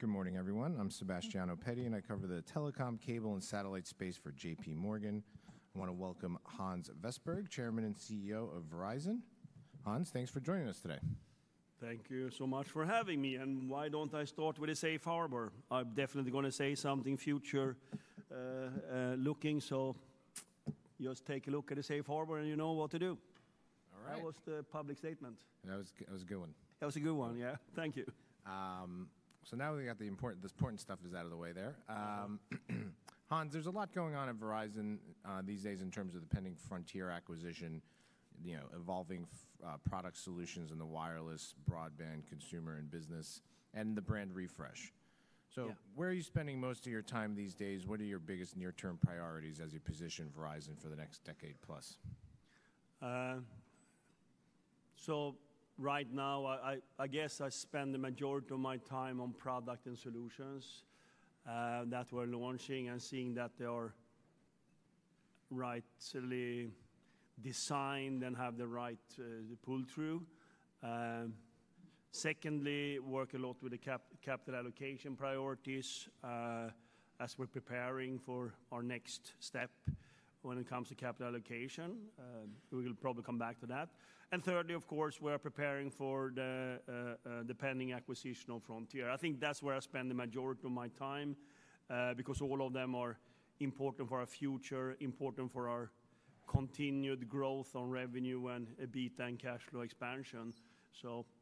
Good morning, everyone. I'm Sebastiano Petti, and I cover the telecom, cable, and satellite space for JPMorgan. I want to welcome Hans Vestberg, Chairman and CEO of Verizon. Hans, thanks for joining us today. Thank you so much for having me. Why don't I start with a safe harbor? I'm definitely going to say something future-looking, so just take a look at a safe harbor and you know what to do. All right. That was the public statement. That was a good one. That was a good one, yeah. Thank you. Now we've got the important stuff out of the way there. Hans, there's a lot going on at Verizon these days in terms of the pending Frontier acquisition, evolving product solutions in the wireless, broadband, consumer, and business, and the brand refresh. Where are you spending most of your time these days? What are your biggest near-term priorities as you position Verizon for the next decade plus? Right now, I guess I spend the majority of my time on product and solutions that we're launching and seeing that they are rightly designed and have the right pull-through. Secondly, work a lot with the capital allocation priorities as we're preparing for our next step when it comes to capital allocation. We will probably come back to that. Thirdly, of course, we are preparing for the pending acquisition of Frontier. I think that's where I spend the majority of my time because all of them are important for our future, important for our continued growth on revenue and B10 cash flow expansion.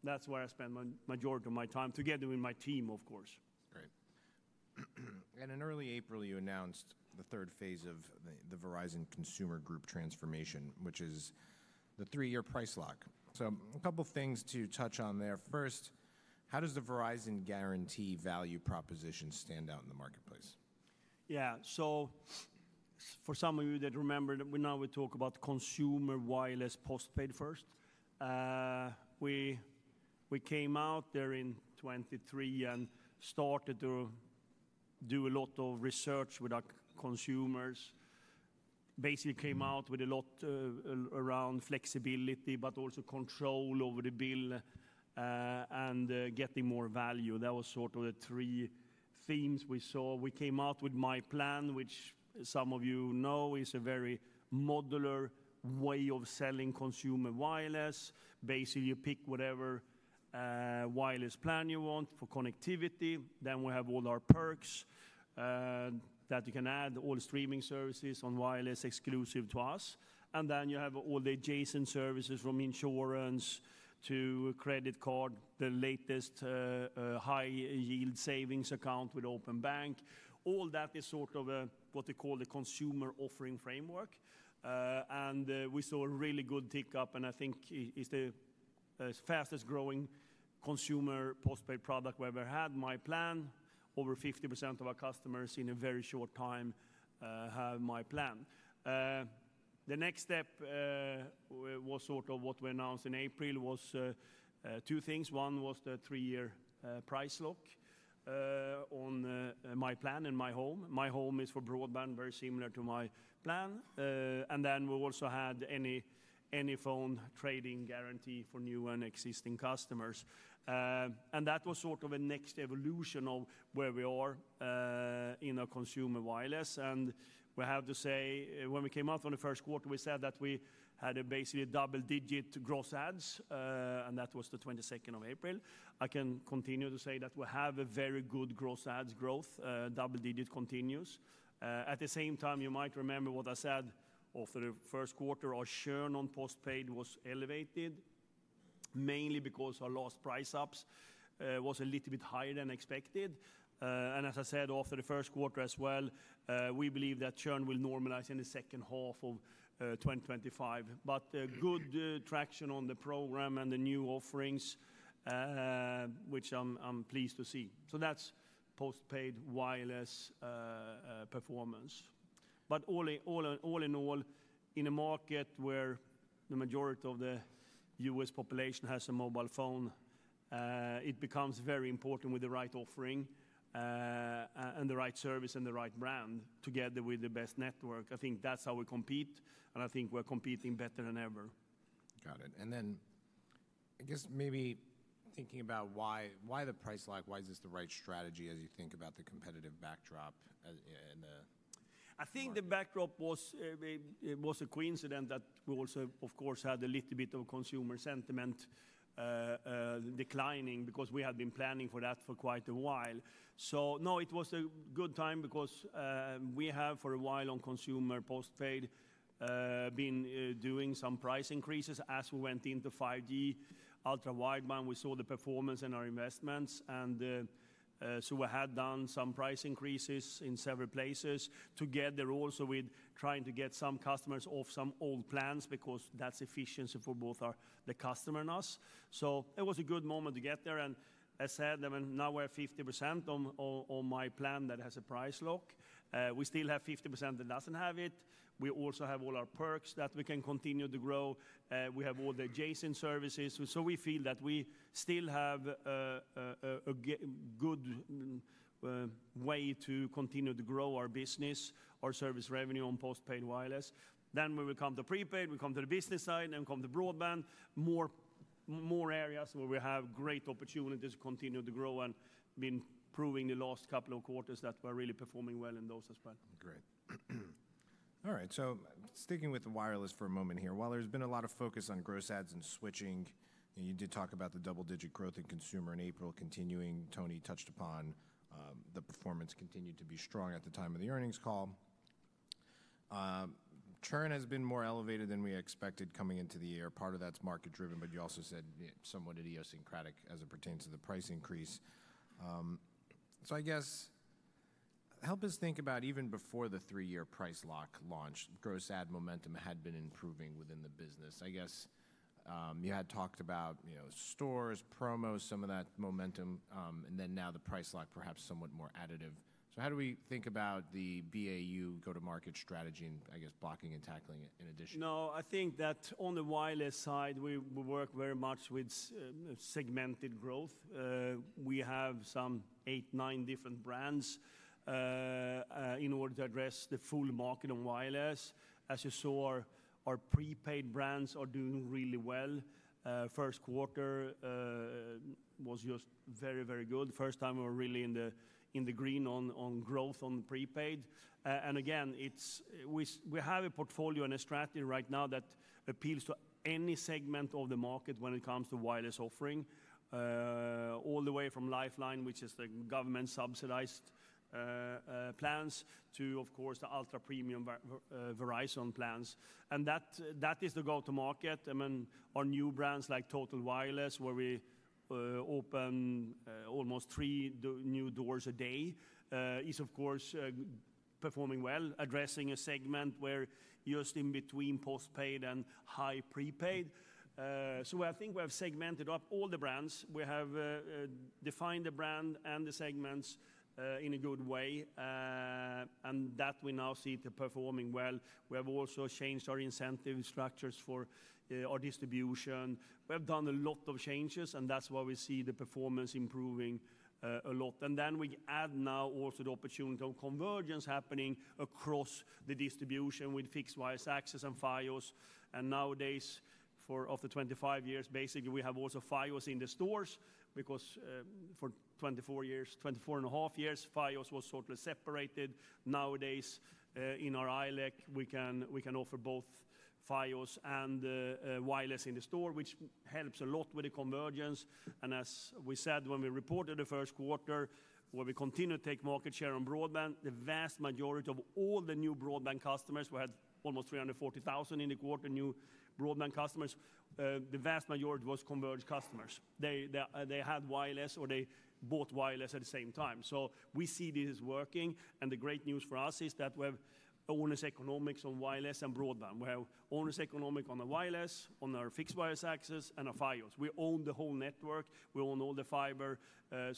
That's where I spend the majority of my time, together with my team, of course. Great. In early April, you announced the third phase of the Verizon Consumer Group transformation, which is the three-year price lock. A couple of things to touch on there. First, how does the Verizon guarantee value proposition stand out in the marketplace? Yeah. For some of you that remember, now we talk about consumer wireless postpaid first. We came out there in 2023 and started to do a lot of research with our consumers. Basically, came out with a lot around flexibility, but also control over the bill and getting more value. That was sort of the three themes we saw. We came out with MyPlan, which some of you know is a very modular way of selling consumer wireless. Basically, you pick whatever wireless plan you want for connectivity. We have all our perks that you can add, all streaming services on wireless exclusive to us. You have all the adjacent services from insurance to credit card, the latest high-yield savings account with Open Bank. All that is sort of what they call the consumer offering framework. We saw a really good tick up, and I think it's the fastest-growing consumer postpaid product we ever had, MyPlan. Over 50% of our customers in a very short time have MyPlan. The next step was sort of what we announced in April was two things. One was the three-year price lock on MyPlan and MyHome. MyHome is for broadband, very similar to MyPlan. We also had any phone trade-in guarantee for new and existing customers. That was sort of a next evolution of where we are in our consumer wireless. We have to say, when we came out on the first quarter, we said that we had basically double-digit gross ads, and that was the 22nd of April. I can continue to say that we have a very good gross ads growth, double-digit continues. At the same time, you might remember what I said after the first quarter, our churn on postpaid was elevated, mainly because our last price ups was a little bit higher than expected. As I said after the first quarter as well, we believe that churn will normalize in the second half of 2025. Good traction on the program and the new offerings, which I'm pleased to see. That is postpaid wireless performance. All in all, in a market where the majority of the U.S. population has a mobile phone, it becomes very important with the right offering and the right service and the right brand together with the best network. I think that's how we compete, and I think we're competing better than ever. Got it. I guess maybe thinking about why the price lock, why is this the right strategy as you think about the competitive backdrop in the. I think the backdrop was a coincidence that we also, of course, had a little bit of consumer sentiment declining because we had been planning for that for quite a while. No, it was a good time because we have for a while on consumer postpaid been doing some price increases. As we went into 5G Ultra Wideband, we saw the performance in our investments. We had done some price increases in several places to get there also with trying to get some customers off some old plans because that's efficiency for both the customer and us. It was a good moment to get there. As I said, I mean, now we're 50% on MyPlan that has a price lock. We still have 50% that doesn't have it. We also have all our perks that we can continue to grow. We have all the adjacent services. We feel that we still have a good way to continue to grow our business, our service revenue on postpaid wireless. When we come to prepaid, we come to the business side and come to broadband, more areas where we have great opportunities to continue to grow and been proving the last couple of quarters that we're really performing well in those as well. Great. All right. Sticking with the wireless for a moment here, while there's been a lot of focus on gross ads and switching, you did talk about the double-digit growth in consumer in April continuing. Tony touched upon the performance continued to be strong at the time of the earnings call. Churn has been more elevated than we expected coming into the year. Part of that's market-driven, but you also said somewhat idiosyncratic as it pertains to the price increase. I guess help us think about even before the three-year price lock launched, gross ad momentum had been improving within the business. I guess you had talked about stores, promos, some of that momentum, and then now the price lock, perhaps somewhat more additive. How do we think about the BAU go-to-market strategy and, I guess, blocking and tackling in addition? No, I think that on the wireless side, we work very much with segmented growth. We have some eight, nine different brands in order to address the full market on wireless. As you saw, our prepaid brands are doing really well. First quarter was just very, very good. First time we were really in the green on growth on prepaid. I mean, we have a portfolio and a strategy right now that appeals to any segment of the market when it comes to wireless offering, all the way from Lifeline, which is the government-subsidized plans, to, of course, the ultra-premium Verizon plans. That is the go-to-market. I mean, our new brands like Total Wireless, where we open almost three new doors a day, is, of course, performing well, addressing a segment where just in between postpaid and high prepaid. I think we have segmented up all the brands. We have defined the brand and the segments in a good way, and that we now see it performing well. We have also changed our incentive structures for our distribution. We have done a lot of changes, and that's why we see the performance improving a lot. We add now also the opportunity of convergence happening across the distribution with Fixed Wireless Access and Fios. Nowadays, after 25 years, basically, we have also Fios in the stores because for 24 years, 24 and a half years, Fios was sort of separated. Nowadays, in our ILEC, we can offer both Fios and wireless in the store, which helps a lot with the convergence. As we said when we reported the first quarter, we continue to take market share on broadband. The vast majority of all the new broadband customers, we had almost 340,000 in the quarter, new broadband customers, the vast majority was converged customers. They had wireless or they bought wireless at the same time. We see this is working. The great news for us is that we have owners' economics on wireless and broadband. We have owners' economics on the wireless, on our fixed wireless access, and our Fios. We own the whole network. We own all the fiber. That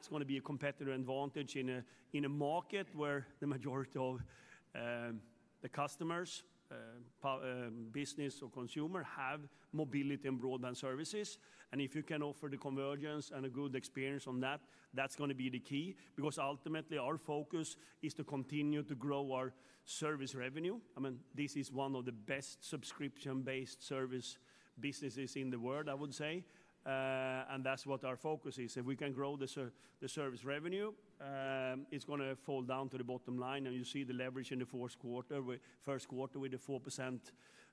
is going to be a competitive advantage in a market where the majority of the customers, business, or consumer, have mobility and broadband services. If you can offer the convergence and a good experience on that, that's going to be the key because ultimately our focus is to continue to grow our service revenue. I mean, this is one of the best subscription-based service businesses in the world, I would say. That's what our focus is. If we can grow the service revenue, it's going to fall down to the bottom line. You see the leverage in the fourth quarter, first quarter with the 4%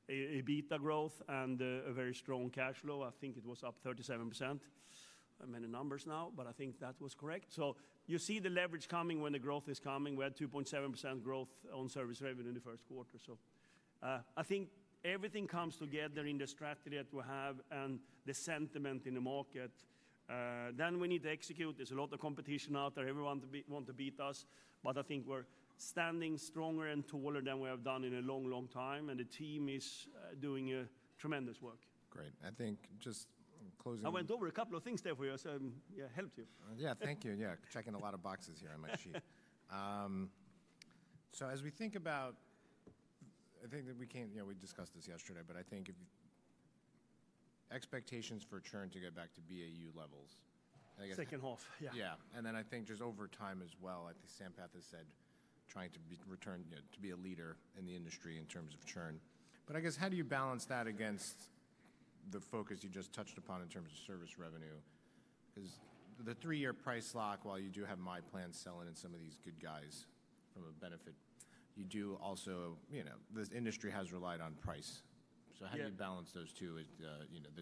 EBITDA growth and a very strong cash flow. I think it was up 37%. I'm in the numbers now, but I think that was correct. You see the leverage coming when the growth is coming. We had 2.7% growth on service revenue in the first quarter. I think everything comes together in the strategy that we have and the sentiment in the market. We need to execute. There is a lot of competition out there. Everyone wants to beat us. I think we are standing stronger and taller than we have done in a long, long time. The team is doing tremendous work. Great. I think just closing. I went over a couple of things there for you. I said, yeah, helped you. Yeah, thank you. Yeah, checking a lot of boxes here on my sheet. As we think about, I think that we can't, we discussed this yesterday, but I think expectations for churn to get back to BAU levels. Second half, yeah. Yeah. I think just over time as well, I think Sampath has said trying to return to be a leader in the industry in terms of churn. I guess how do you balance that against the focus you just touched upon in terms of service revenue? Because the three-year price lock, while you do have MyPlan selling and some of these good guys from a benefit, you do also, this industry has relied on price. How do you balance those two?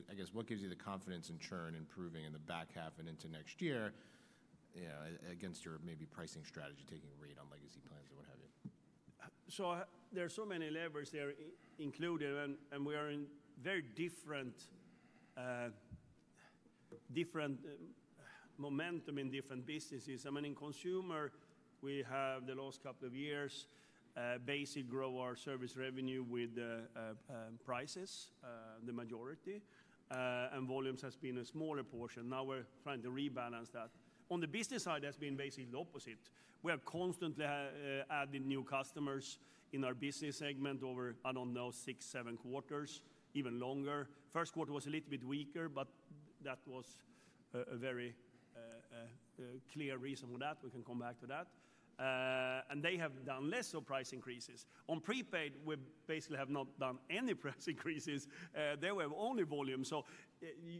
I guess what gives you the confidence in churn improving in the back half and into next year against your maybe pricing strategy, taking a rate on legacy plans or what have you? There are so many levers there included, and we are in very different momentum in different businesses. I mean, in consumer, we have the last couple of years basically grown our service revenue with prices, the majority, and volumes has been a smaller portion. Now we're trying to rebalance that. On the business side, that's been basically the opposite. We are constantly adding new customers in our business segment over, I don't know, six, seven quarters, even longer. First quarter was a little bit weaker, but that was a very clear reason for that. We can come back to that. They have done less of price increases. On prepaid, we basically have not done any price increases. There we have only volume.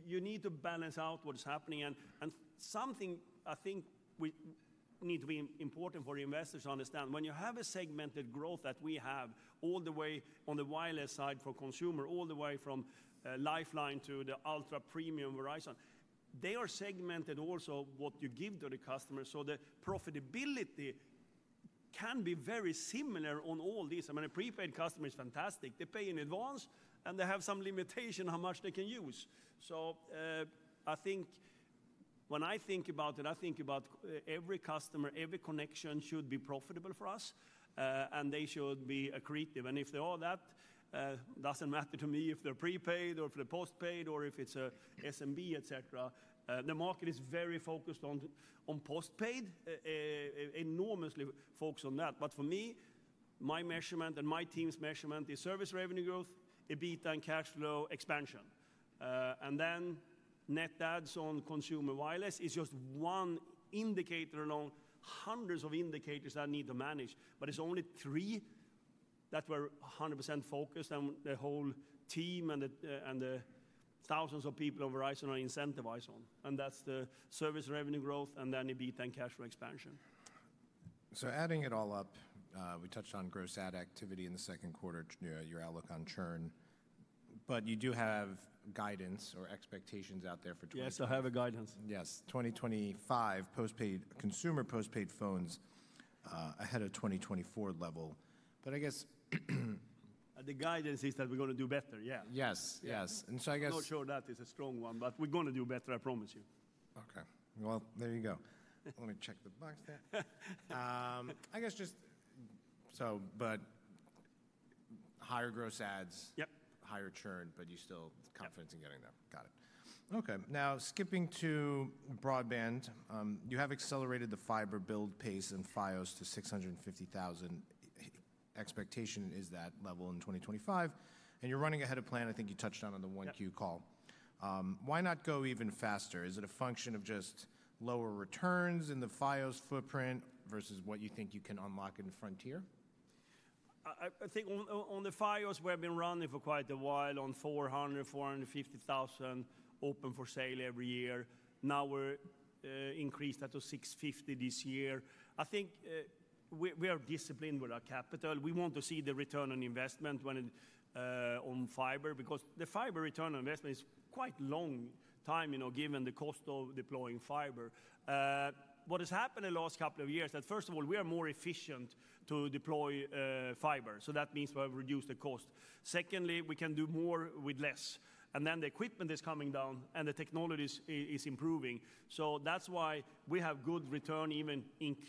You need to balance out what's happening. Something I think we need to be important for investors to understand, when you have a segmented growth that we have all the way on the wireless side for consumer, all the way from Lifeline to the ultra-premium Verizon, they are segmented also what you give to the customer. The profitability can be very similar on all these. I mean, a prepaid customer is fantastic. They pay in advance, and they have some limitation on how much they can use. I think when I think about it, I think about every customer, every connection should be profitable for us, and they should be accretive. If they are that, it doesn't matter to me if they're prepaid or if they're postpaid or if it's an SMB, et cetera. The market is very focused on postpaid, enormously focused on that. For me, my measurement and my team's measurement is service revenue growth, EBITDA and cash flow expansion. Net ads on consumer wireless is just one indicator along hundreds of indicators that need to manage. It's only three that we're 100% focused and the whole team and the thousands of people on Verizon are incentivized on. That's the service revenue growth and then EBITDA and cash flow expansion. Adding it all up, we touched on gross ad activity in the second quarter, your outlook on churn, but you do have guidance or expectations out there for. Yes, I have a guidance. Yes, 2025 consumer postpaid phones ahead of 2024 level. I guess. The guidance is that we're going to do better, yeah. Yes, yes. I guess. I'm not sure that is a strong one, but we're going to do better, I promise you. Okay. There you go. Let me check the box there. I guess just so, but higher gross ads, higher churn, but you still confidence in getting there. Got it. Okay. Now skipping to broadband, you have accelerated the fiber build pace and Fios to 650,000. Expectation is that level in 2025. And you're running ahead of plan. I think you touched on it on the 1Q call. Why not go even faster? Is it a function of just lower returns in the Fios footprint versus what you think you can unlock in Frontier? I think on the Fios we have been running for quite a while on 400,000-450,000 open for sale every year. Now we have increased that to 650,000 this year. I think we are disciplined with our capital. We want to see the return on investment on fiber because the fiber return on investment is quite a long time, given the cost of deploying fiber. What has happened in the last couple of years is that, first of all, we are more efficient to deploy fiber. That means we have reduced the cost. Secondly, we can do more with less. The equipment is coming down and the technology is improving. That is why we have good return even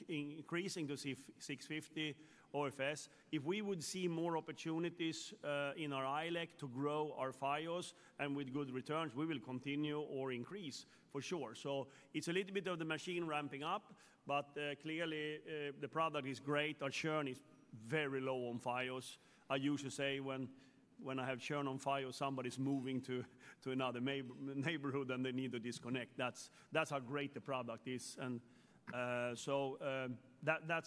increasing to 650,000 OFS. If we would see more opportunities in our ILEC to grow our Fios and with good returns, we will continue or increase for sure. It's a little bit of the machine ramping up, but clearly the product is great. Our churn is very low on Fios. I usually say when I have churn on Fios, somebody's moving to another neighborhood and they need to disconnect. That's how great the product is. That's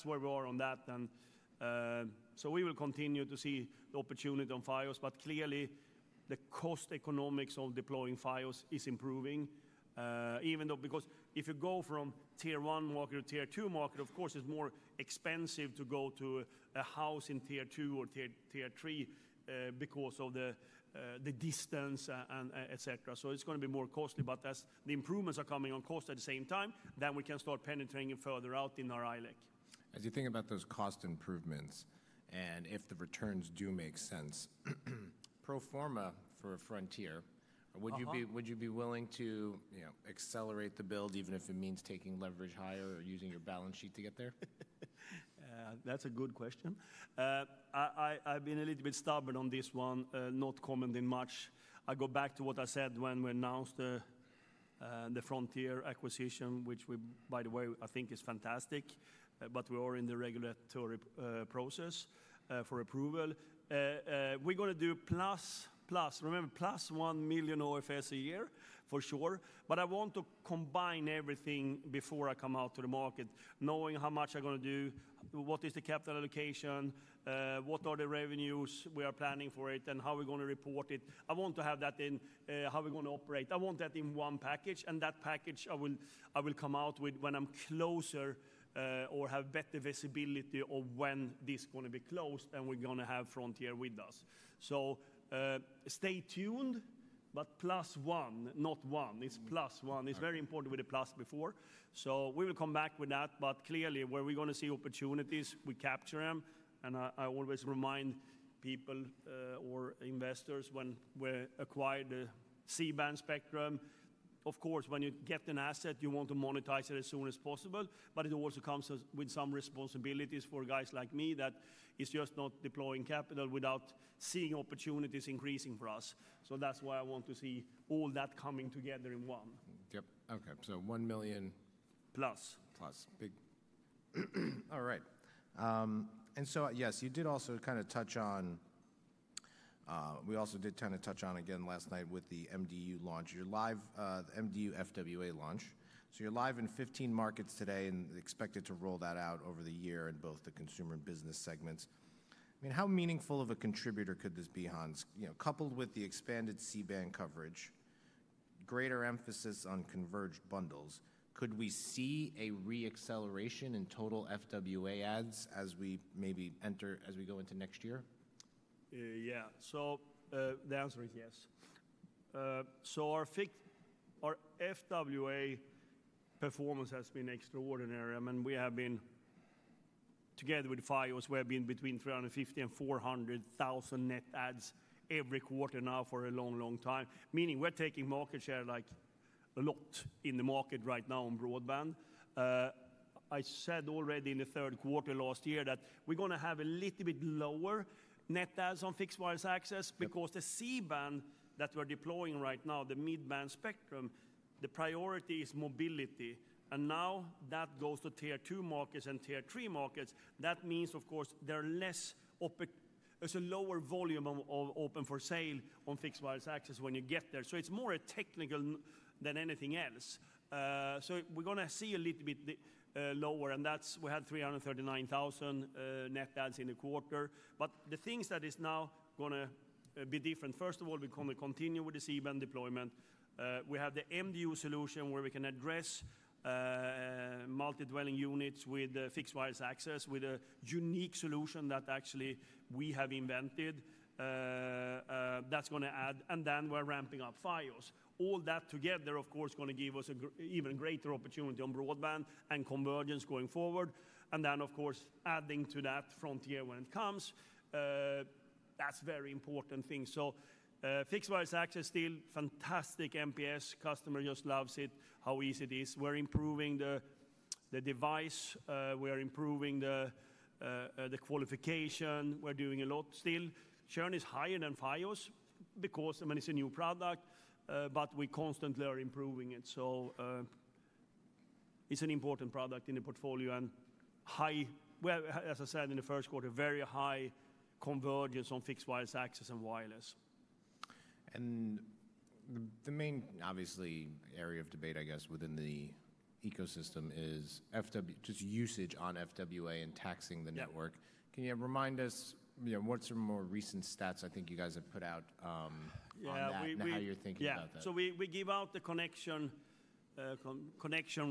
where we are on that. We will continue to see the opportunity on Fios. Clearly, the cost economics of deploying Fios is improving, even though if you go from tier one market to tier two market, of course, it's more expensive to go to a house in tier two or tier three because of the distance, et cetera. It's going to be more costly. As the improvements are coming on cost at the same time, then we can start penetrating further out in our ILEC. As you think about those cost improvements and if the returns do make sense, pro forma for Frontier, would you be willing to accelerate the build even if it means taking leverage higher or using your balance sheet to get there? That's a good question. I've been a little bit stubborn on this one, not commenting much. I go back to what I said when we announced the Frontier acquisition, which we, by the way, I think is fantastic. We are in the regulatory process for approval. We're going to do plus, plus, remember, plus $1 million OFS a year for sure. I want to combine everything before I come out to the market, knowing how much I'm going to do, what is the capital allocation, what are the revenues we are planning for it, and how we're going to report it. I want to have that in how we're going to operate. I want that in one package. That package I will come out with when I'm closer or have better visibility of when this is going to be closed and we're going to have Frontier with us. Stay tuned, but plus one, not one. It's plus one. It's very important with the plus before. We will come back with that. Clearly, where we're going to see opportunities, we capture them. I always remind people or investors when we acquired the C-band spectrum, of course, when you get an asset, you want to monetize it as soon as possible. It also comes with some responsibilities for guys like me that is just not deploying capital without seeing opportunities increasing for us. That's why I want to see all that coming together in one. Yep. Okay. So $1 million. Plus. Plus. All right. Yes, you did also kind of touch on, we also did kind of touch on again last night with the MDU launch, your live MDU FWA launch. You're live in 15 markets today and expected to roll that out over the year in both the consumer and business segments. I mean, how meaningful of a contributor could this be, Hans? Coupled with the expanded C-band coverage, greater emphasis on converged bundles, could we see a re-acceleration in total FWA ads as we maybe enter, as we go into next year? Yeah. So the answer is yes. So our FWA performance has been extraordinary. I mean, we have been together with Fios, we have been between 350,000 and 400,000 net ads every quarter now for a long, long time. Meaning we're taking market share like a lot in the market right now on broadband. I said already in the third quarter last year that we're going to have a little bit lower net ads on fixed wireless access because the C-band that we're deploying right now, the mid-band spectrum, the priority is mobility. Now that goes to tier two markets and tier three markets. That means, of course, there is a lower volume of open for sale on fixed wireless access when you get there. It is more technical than anything else. We're going to see a little bit lower. That's we had 339,000 net ads in the quarter. The things that is now going to be different. First of all, we're going to continue with the C-band deployment. We have the MDU solution where we can address multi-dwelling units with fixed wireless access with a unique solution that actually we have invented that's going to add. We're ramping up Fios. All that together, of course, is going to give us an even greater opportunity on broadband and convergence going forward. Of course, adding to that Frontier when it comes, that's a very important thing. Fixed wireless access still fantastic. MPS customer just loves it, how easy it is. We're improving the device. We're improving the qualification. We're doing a lot still. Churn is higher than Fios because, I mean, it's a new product, but we constantly are improving it. It's an important product in the portfolio and, as I said, in the first quarter, very high convergence on fixed wireless access and wireless. The main obviously area of debate, I guess, within the ecosystem is just usage on FWA and taxing the network. Can you remind us what's your more recent stats? I think you guys have put out how you're thinking about that. Yeah. So we give out the connection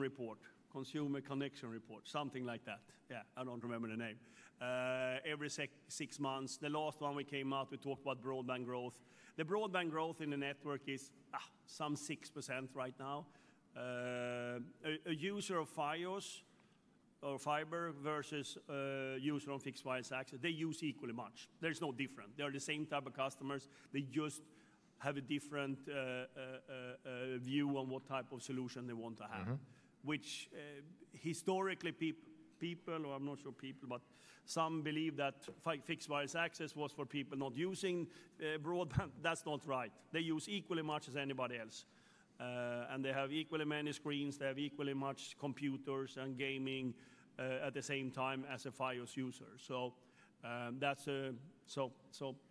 report, consumer connection report, something like that. Yeah, I don't remember the name. Every six months, the last one we came out, we talked about broadband growth. The broadband growth in the network is some 6% right now. A user of Fios or fiber versus a user on fixed wireless access, they use equally much. There's no difference. They're the same type of customers. They just have a different view on what type of solution they want to have, which historically people, or I'm not sure people, but some believe that fixed wireless access was for people not using broadband. That's not right. They use equally much as anybody else. And they have equally many screens. They have equally much computers and gaming at the same time as a Fios user. That's a, so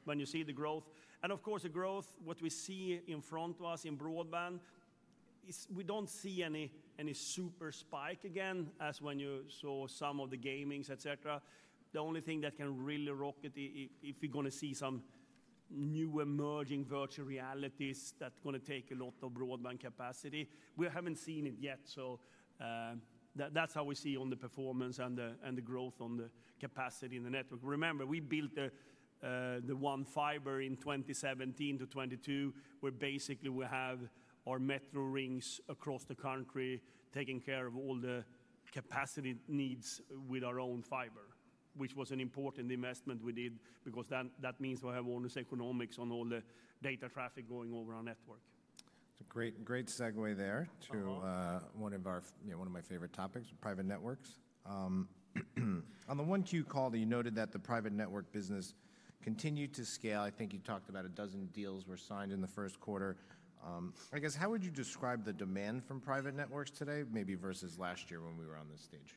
when you see the growth, and of course, the growth, what we see in front of us in broadband, we don't see any super spike again as when you saw some of the gamings, etc. The only thing that can really rock it, if you're going to see some new emerging virtual realities that's going to take a lot of broadband capacity, we haven't seen it yet. That's how we see on the performance and the growth on the capacity in the network. Remember, we built the One Fiber in 2017 to 2022, where basically we have our metro rings across the country taking care of all the capacity needs with our own fiber, which was an important investment we did because that means we have onus economics on all the data traffic going over our network. It's a great segue there to one of my favorite topics, private networks. On the Q1 call, you noted that the private network business continued to scale. I think you talked about a dozen deals were signed in the first quarter. I guess how would you describe the demand from private networks today, maybe versus last year when we were on this stage?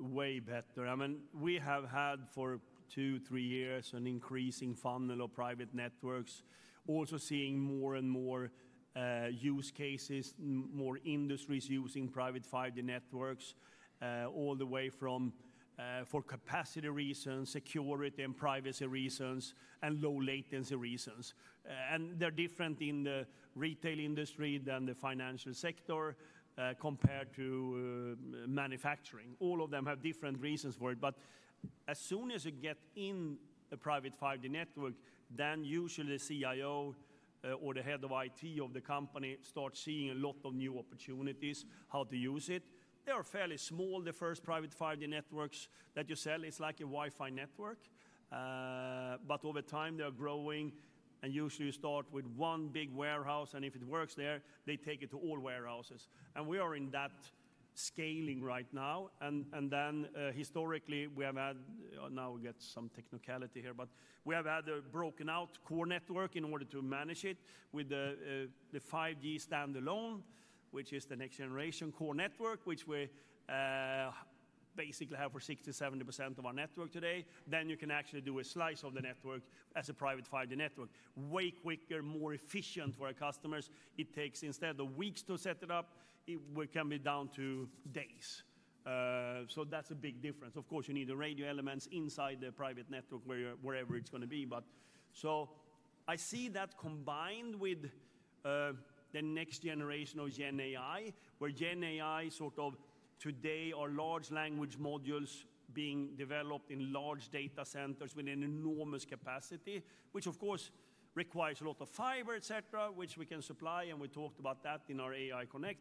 Way better. I mean, we have had for two, three years an increasing funnel of private networks, also seeing more and more use cases, more industries using private 5G networks all the way from for capacity reasons, security and privacy reasons, and low latency reasons. They are different in the retail industry than the financial sector compared to manufacturing. All of them have different reasons for it. As soon as you get in a private 5G network, then usually the CIO or the head of IT of the company starts seeing a lot of new opportunities, how to use it. They are fairly small, the first private 5G networks that you sell. It's like a Wi-Fi network. Over time, they're growing. Usually you start with one big warehouse. If it works there, they take it to all warehouses. We are in that scaling right now. Historically, we have had, now we get some technicality here, but we have had a broken out core network in order to manage it with the 5G standalone, which is the next generation core network, which we basically have for 60-70% of our network today. You can actually do a slice of the network as a private 5G network. Way quicker, more efficient for our customers. It takes instead of weeks to set it up, it can be down to days. That is a big difference. Of course, you need the radio elements inside the private network wherever it is going to be. I see that combined with the next generation of GenAI, where GenAI sort of today are large language modules being developed in large data centers with an enormous capacity, which of course requires a lot of fiber, et cetera, which we can supply. We talked about that in our AI Connect.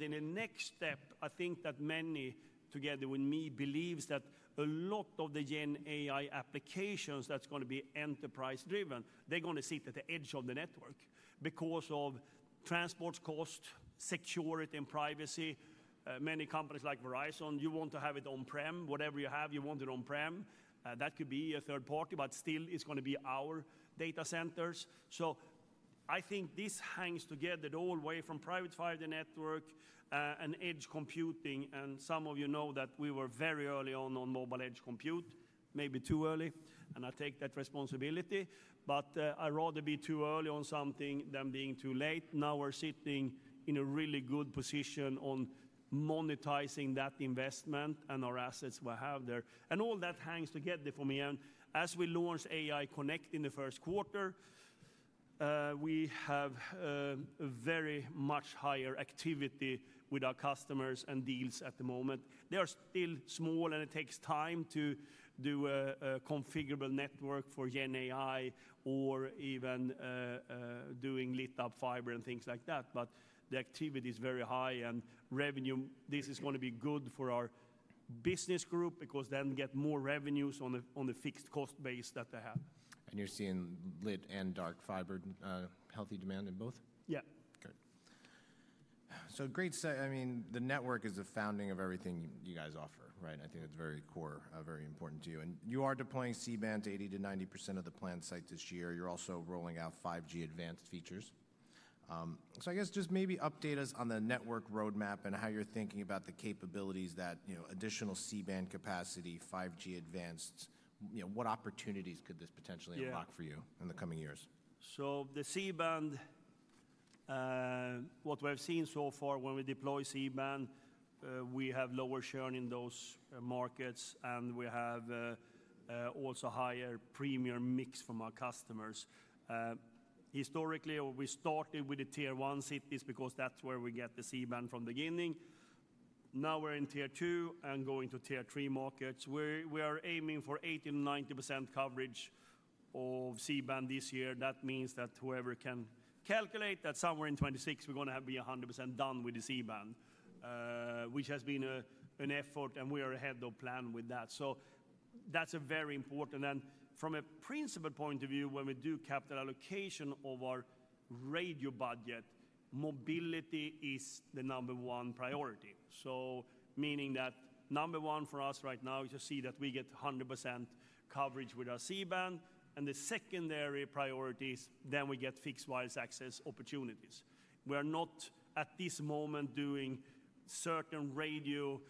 In the next step, I think that many together with me believe that a lot of the GenAI applications that are going to be enterprise driven are going to sit at the edge of the network because of transport cost, security, and privacy. Many companies like Verizon, you want to have it on prem. Whatever you have, you want it on prem. That could be a third party, but still it is going to be our data centers. I think this hangs together the whole way from private 5G network and edge computing. Some of you know that we were very early on mobile edge compute, maybe too early. I take that responsibility. I would rather be too early on something than being too late. Now we are sitting in a really good position on monetizing that investment and our assets we have there. All that hangs together for me. As we launch AI Connect in the first quarter, we have a much higher activity with our customers and deals at the moment. They are still small and it takes time to do a configurable network for GenAI or even doing lit up fiber and things like that. The activity is very high and revenue, this is going to be good for our business group because they get more revenues on the fixed cost base that they have. You're seeing lit and dark fiber, healthy demand in both? Yeah. Good. Great set, I mean, the network is the founding of everything you guys offer, right? I think it's very core, very important to you. You are deploying C-band to 80-90% of the planned site this year. You're also rolling out 5G advanced features. I guess just maybe update us on the network roadmap and how you're thinking about the capabilities that additional C-band capacity, 5G advanced, what opportunities could this potentially unlock for you in the coming years? The C-band, what we've seen so far when we deploy C-band, we have lower churn in those markets and we have also higher premium mix from our customers. Historically, we started with the tier one cities because that's where we get the C-band from the beginning. Now we're in tier two and going to tier three markets. We are aiming for 80%-90% coverage of C-band this year. That means that whoever can calculate that somewhere in 2026, we're going to be 100% done with the C-band, which has been an effort and we are ahead of plan with that. That is very important. From a principal point of view, when we do capital allocation of our radio budget, mobility is the number one priority. Meaning that number one for us right now is to see that we get 100% coverage with our C-band. The secondary priorities, then we get fixed wireless access opportunities. We are not at this moment doing certain radio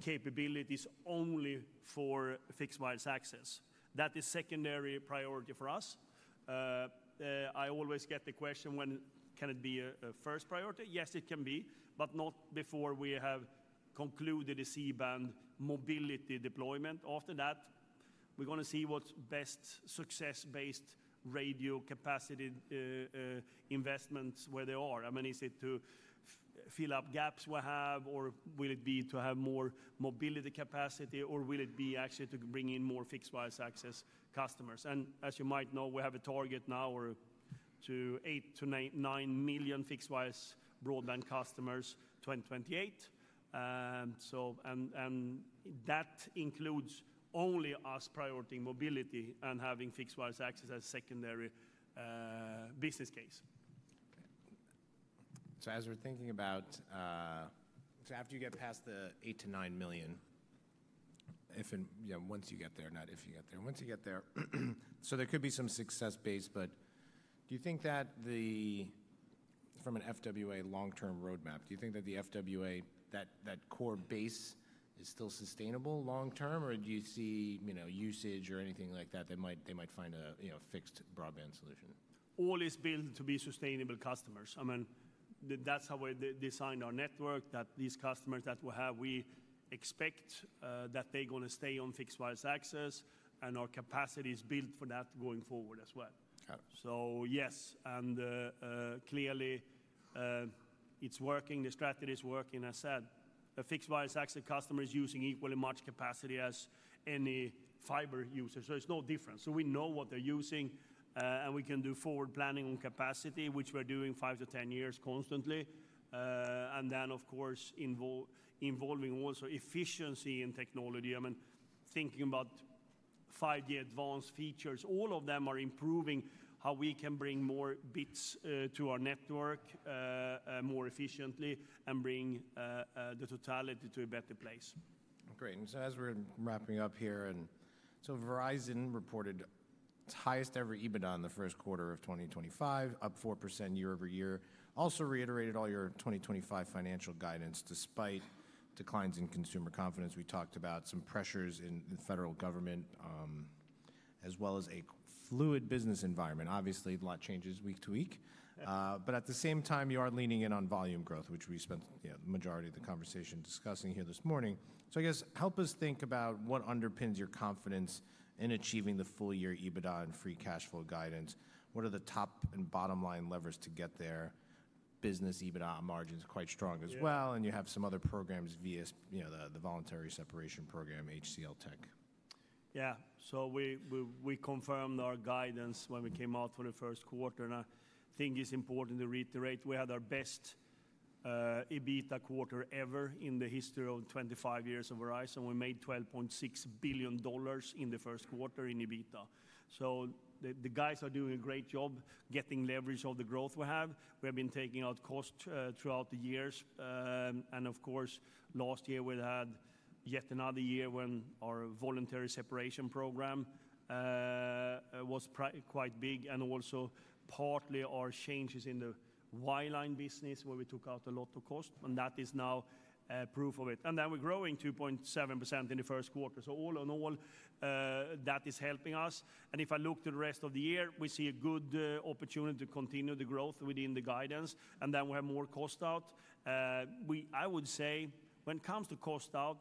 capabilities only for fixed wireless access. That is a secondary priority for us. I always get the question, can it be a first priority? Yes, it can be, but not before we have concluded the C-band mobility deployment. After that, we're going to see what's best, success-based radio capacity investments where they are. I mean, is it to fill up gaps we have or will it be to have more mobility capacity or will it be actually to bring in more fixed wireless access customers? As you might know, we have a target now of 8-9 million fixed wireless broadband customers 2028. That includes only us prioritizing mobility and having fixed wireless access as a secondary business case. As we're thinking about, after you get past the 8 to 9 million, if and once you get there, not if you get there, once you get there, there could be some success base, but do you think that from an FWA long-term roadmap, do you think that the FWA, that core base is still sustainable long-term or do you see usage or anything like that, they might find a fixed broadband solution? All is built to be sustainable customers. I mean, that's how we designed our network that these customers that we have, we expect that they're going to stay on fixed wireless access and our capacity is built for that going forward as well. Yes, and clearly it's working. The strategy is working. I said the fixed wireless access customers using equally much capacity as any fiber users. It's no difference. We know what they're using and we can do forward planning on capacity, which we're doing five to ten years constantly. Of course, involving also efficiency in technology. I mean, thinking about 5G advanced features, all of them are improving how we can bring more bits to our network more efficiently and bring the totality to a better place. Great. As we're wrapping up here, Verizon reported its highest ever EBITDA in the first quarter of 2025, up 4% year over year. Also reiterated all your 2025 financial guidance despite declines in consumer confidence. We talked about some pressures in the federal government as well as a fluid business environment. Obviously, a lot changes week to week. At the same time, you are leaning in on volume growth, which we spent the majority of the conversation discussing here this morning. I guess help us think about what underpins your confidence in achieving the full year EBITDA and free cash flow guidance. What are the top and bottom line levers to get there? Business EBITDA margins quite strong as well. You have some other programs, the voluntary separation program, HCLTech. Yeah. So we confirmed our guidance when we came out for the first quarter. I think it's important to reiterate, we had our best EBITDA quarter ever in the history of 25 years of Verizon. We made $12.6 billion in the first quarter in EBITDA. The guys are doing a great job getting leverage of the growth we have. We have been taking out costs throughout the years. Of course, last year we had yet another year when our voluntary separation program was quite big. Also, partly our changes in the wireline business where we took out a lot of costs. That is now proof of it. We're growing 2.7% in the first quarter. All in all, that is helping us. If I look to the rest of the year, we see a good opportunity to continue the growth within the guidance. We have more cost out. I would say when it comes to cost out,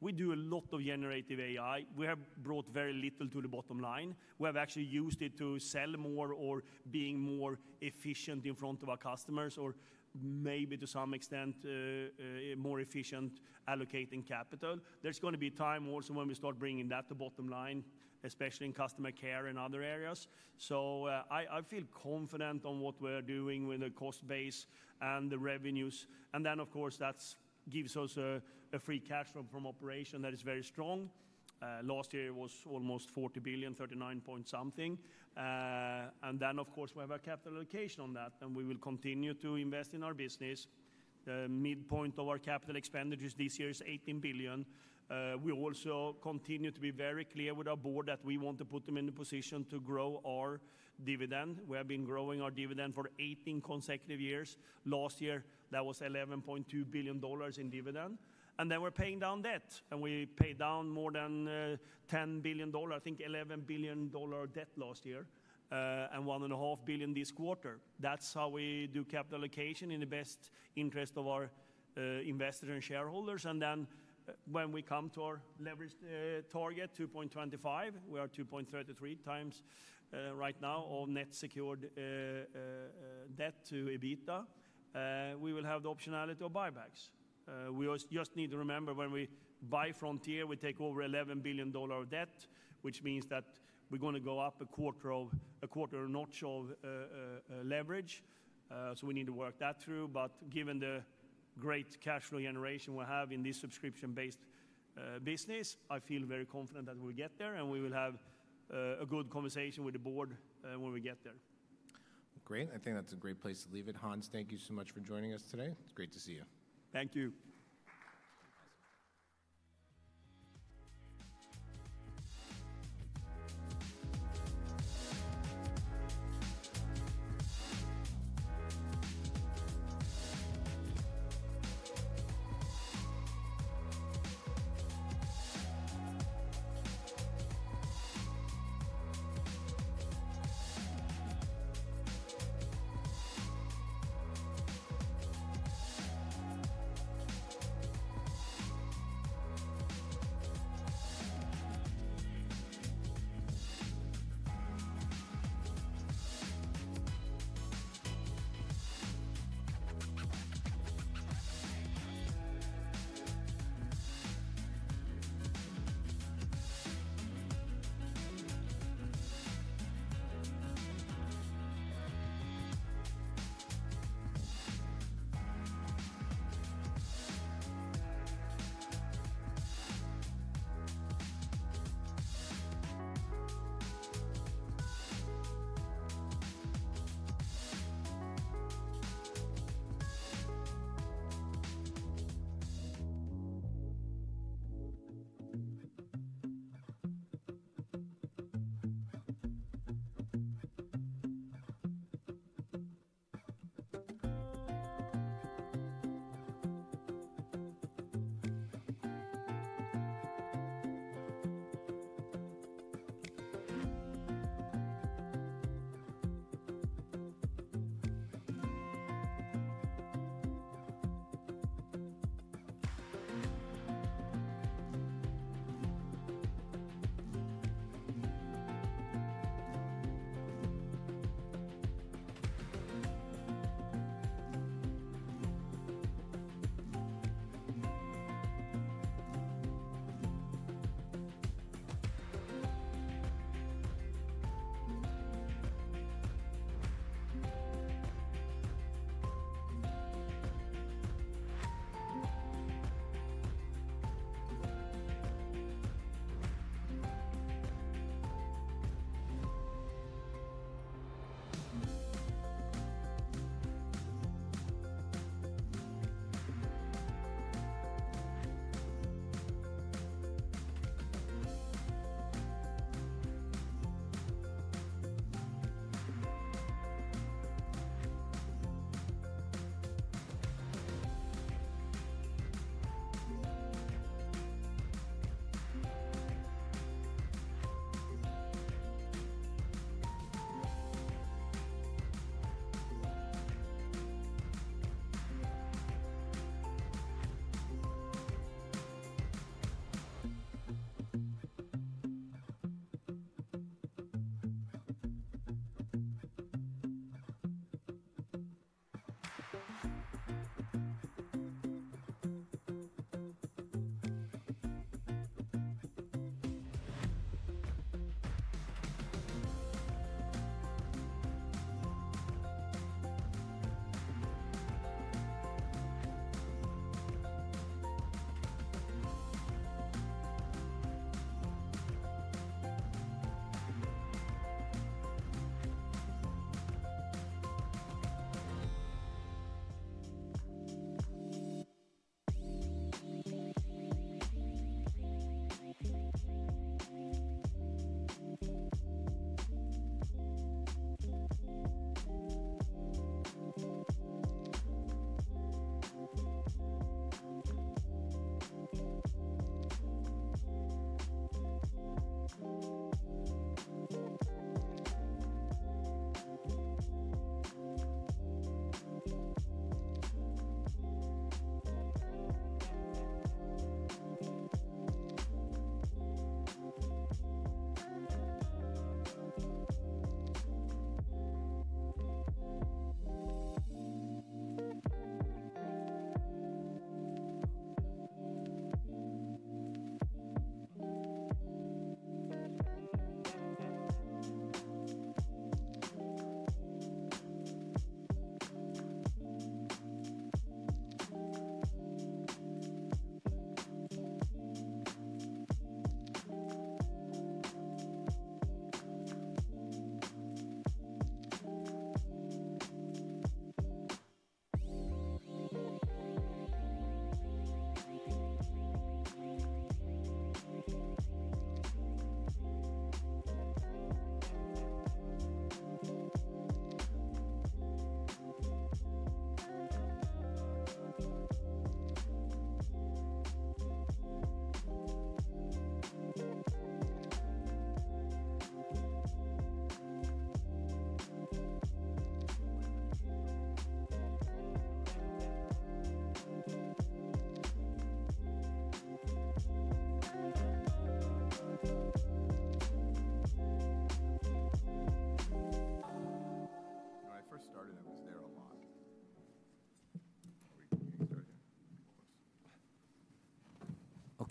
we do a lot of generative AI. We have brought very little to the bottom line. We have actually used it to sell more or being more efficient in front of our customers or maybe to some extent more efficient allocating capital. There is going to be time also when we start bringing that to bottom line, especially in customer care and other areas. I feel confident on what we are doing with the cost base and the revenues. That gives us a free cash flow from operation that is very strong. Last year it was almost $40 billion, $39 point something. Of course, we have our capital allocation on that. We will continue to invest in our business. The midpoint of our capital expenditures this year is $18 billion. We also continue to be very clear with our board that we want to put them in the position to grow our dividend. We have been growing our dividend for 18 consecutive years. Last year, that was $11.2 billion in dividend. We are paying down debt. We paid down more than $10 billion, I think $11 billion debt last year and $1.5 billion this quarter. That is how we do capital allocation in the best interest of our investors and shareholders. When we come to our leverage target, 2.25, we are 2.33 times right now of net secured debt to EBITDA. We will have the optionality of buybacks. We just need to remember when we buy Frontier, we take over $11 billion of debt, which means that we're going to go up a quarter of a quarter notch of leverage. We need to work that through. Given the great cash flow generation we have in this subscription-based business, I feel very confident that we'll get there and we will have a good conversation with the board when we get there. Great. I think that's a great place to leave it. Hans, thank you so much for joining us today. It's great to see you. Thank you.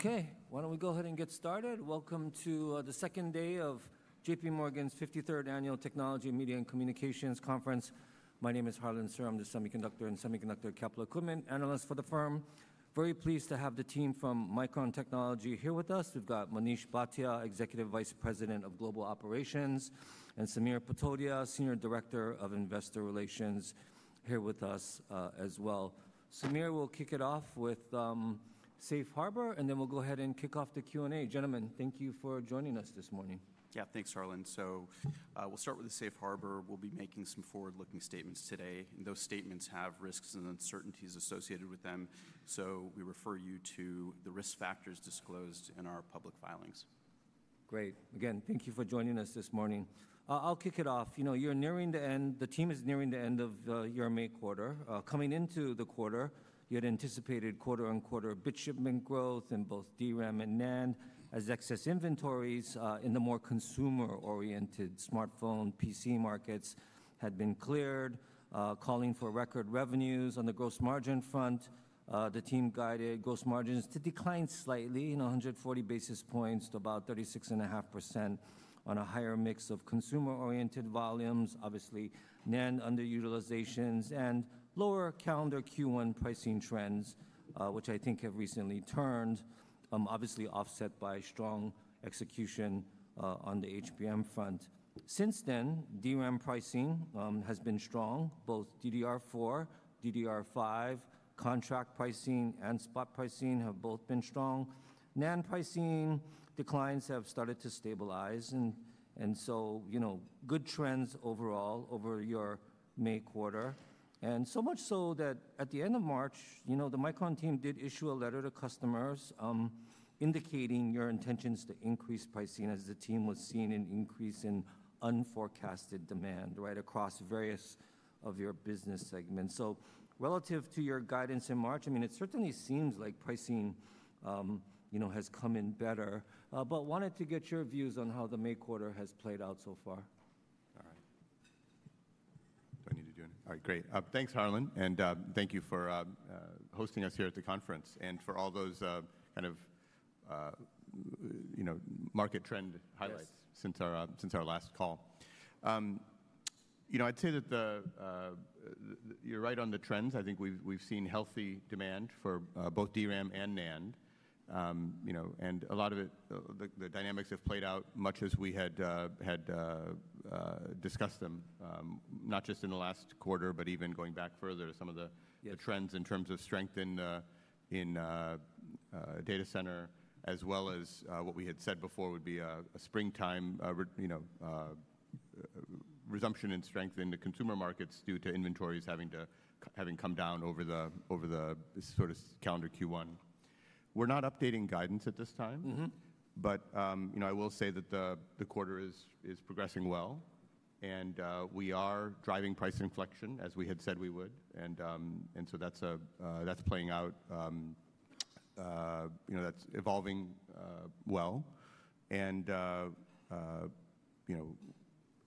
When I first started, I was there a lot. Are we going to start here? Okay. Why don't we go ahead and get started? Welcome to the second day of JPMorgan's 53rd Annual Technology and Media and Communications Conference. My name is Harlan Sur. I'm the semiconductor and semiconductor capital equipment analyst for the firm. Very pleased to have the team from Micron Technology here with us. We've got Manish Bhatia, Executive Vice President of Global Operations, and Samir Potodia, Senior Director of Investor Relations here with us as well. Samir, we'll kick it off with Safe Harbor, and then we'll go ahead and kick off the Q&A. Gentlemen, thank you for joining us this morning. Yeah, thanks, Harlan. We'll start with the Safe Harbor. We'll be making some forward-looking statements today. Those statements have risks and uncertainties associated with them. We refer you to the risk factors disclosed in our public filings. Great. Again, thank you for joining us this morning. I'll kick it off. You know, you're nearing the end. The team is nearing the end of your May quarter. Coming into the quarter, you had anticipated quarter on quarter bit shipping growth in both DRAM and NAND as excess inventories in the more consumer-oriented smartphone PC markets had been cleared, calling for record revenues on the gross margin front. The team guided gross margins to decline slightly in 140 basis points to about 36.5% on a higher mix of consumer-oriented volumes, obviously NAND underutilizations, and lower calendar Q1 pricing trends, which I think have recently turned, obviously offset by strong execution on the HBM front. Since then, DRAM pricing has been strong. Both DDR4, DDR5, contract pricing, and spot pricing have both been strong. NAND pricing declines have started to stabilize. You know, good trends overall over your May quarter. So much so that at the end of March, you know, the Micron team did issue a letter to customers indicating your intentions to increase pricing as the team was seeing an increase in unforecasted demand right across various of your business segments. Relative to your guidance in March, I mean, it certainly seems like pricing, you know, has come in better. Wanted to get your views on how the May quarter has played out so far. All right. Do I need to do anything? All right, great. Thanks, Harlan. And thank you for hosting us here at the conference and for all those kind of, you know, market trend highlights since our last call. I'd say that you're right on the trends. I think we've seen healthy demand for both DRAM and NAND. You know, and a lot of it, the dynamics have played out much as we had discussed them, not just in the last quarter, but even going back further to some of the trends in terms of strength in data center, as well as what we had said before would be a springtime, you know, resumption in strength in the consumer markets due to inventories having come down over the sort of calendar Q1. We're not updating guidance at this time. I will say that the quarter is progressing well. We are driving price inflection as we had said we would. That is playing out, that is evolving well.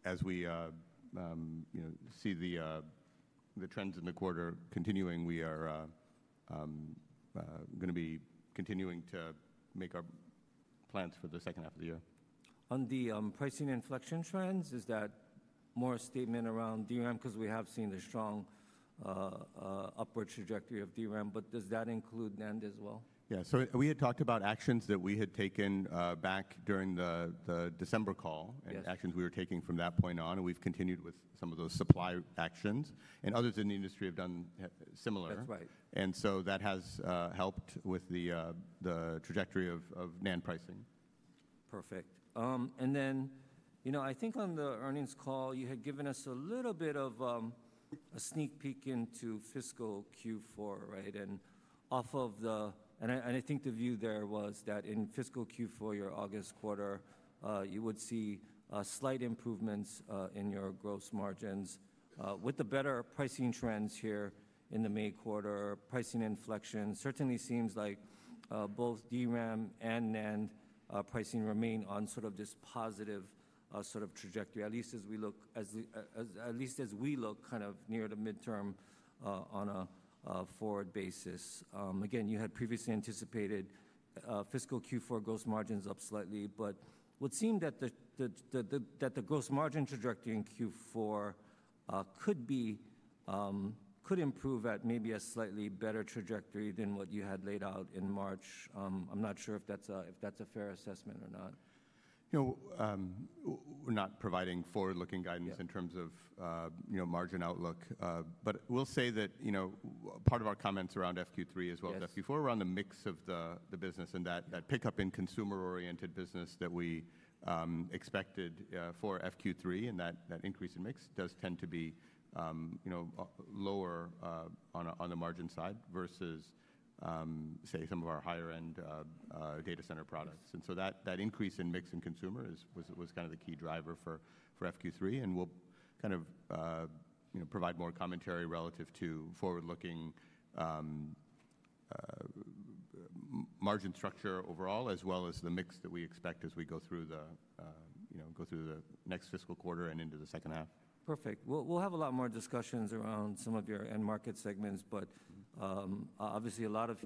As we see the trends in the quarter continuing, we are going to be continuing to make our plans for the second half of the year. On the pricing inflection trends, is that more a statement around DRAM? Because we have seen the strong upward trajectory of DRAM. Does that include NAND as well? Yeah. We had talked about actions that we had taken back during the December call and actions we were taking from that point on. We have continued with some of those supply actions. Others in the industry have done similar. That's right. That has helped with the trajectory of NAND pricing. Perfect. You know, I think on the earnings call, you had given us a little bit of a sneak peek into fiscal Q4, right? I think the view there was that in fiscal Q4, your August quarter, you would see slight improvements in your gross margins with the better pricing trends here in the May quarter. Pricing inflection certainly seems like both DRAM and NAND pricing remain on this positive sort of trajectory, at least as we look kind of near the midterm on a forward basis. Again, you had previously anticipated fiscal Q4 gross margins up slightly, but it would seem that the gross margin trajectory in Q4 could improve at maybe a slightly better trajectory than what you had laid out in March. I'm not sure if that's a fair assessment or not. You know, we're not providing forward-looking guidance in terms of, you know, margin outlook. But we'll say that, you know, part of our comments around FQ3 as well as FQ4 were on the mix of the business and that pickup in consumer-oriented business that we expected for FQ3. That increase in mix does tend to be, you know, lower on the margin side versus, say, some of our higher-end data center products. That increase in mix in consumer was kind of the key driver for FQ3. We'll kind of, you know, provide more commentary relative to forward-looking margin structure overall, as well as the mix that we expect as we go through the, you know, go through the next fiscal quarter and into the second half. Perfect. We'll have a lot more discussions around some of your end market segments. Obviously, a lot of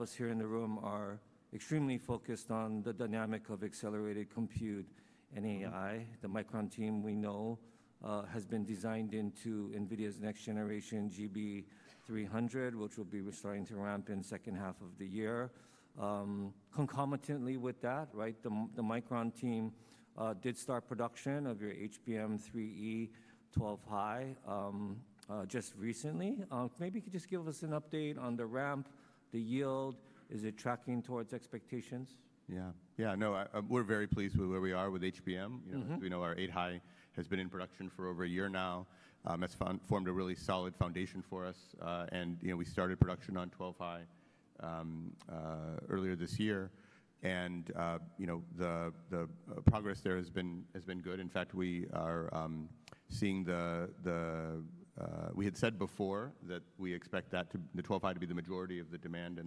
us here in the room are extremely focused on the dynamic of accelerated compute and AI. The Micron team we know has been designed into NVIDIA's next generation GB300, which will be starting to ramp in the second half of the year. Concomitantly with that, right, the Micron team did start production of your HBM3E 12-high just recently. Maybe you could just give us an update on the ramp, the yield. Is it tracking towards expectations? Yeah. Yeah. No, we're very pleased with where we are with HBM. You know, we know our 8 High has been in production for over a year now. It's formed a really solid foundation for us. You know, we started production on 12-high earlier this year. You know, the progress there has been good. In fact, we are seeing the, we had said before that we expect that the 12-high to be the majority of the demand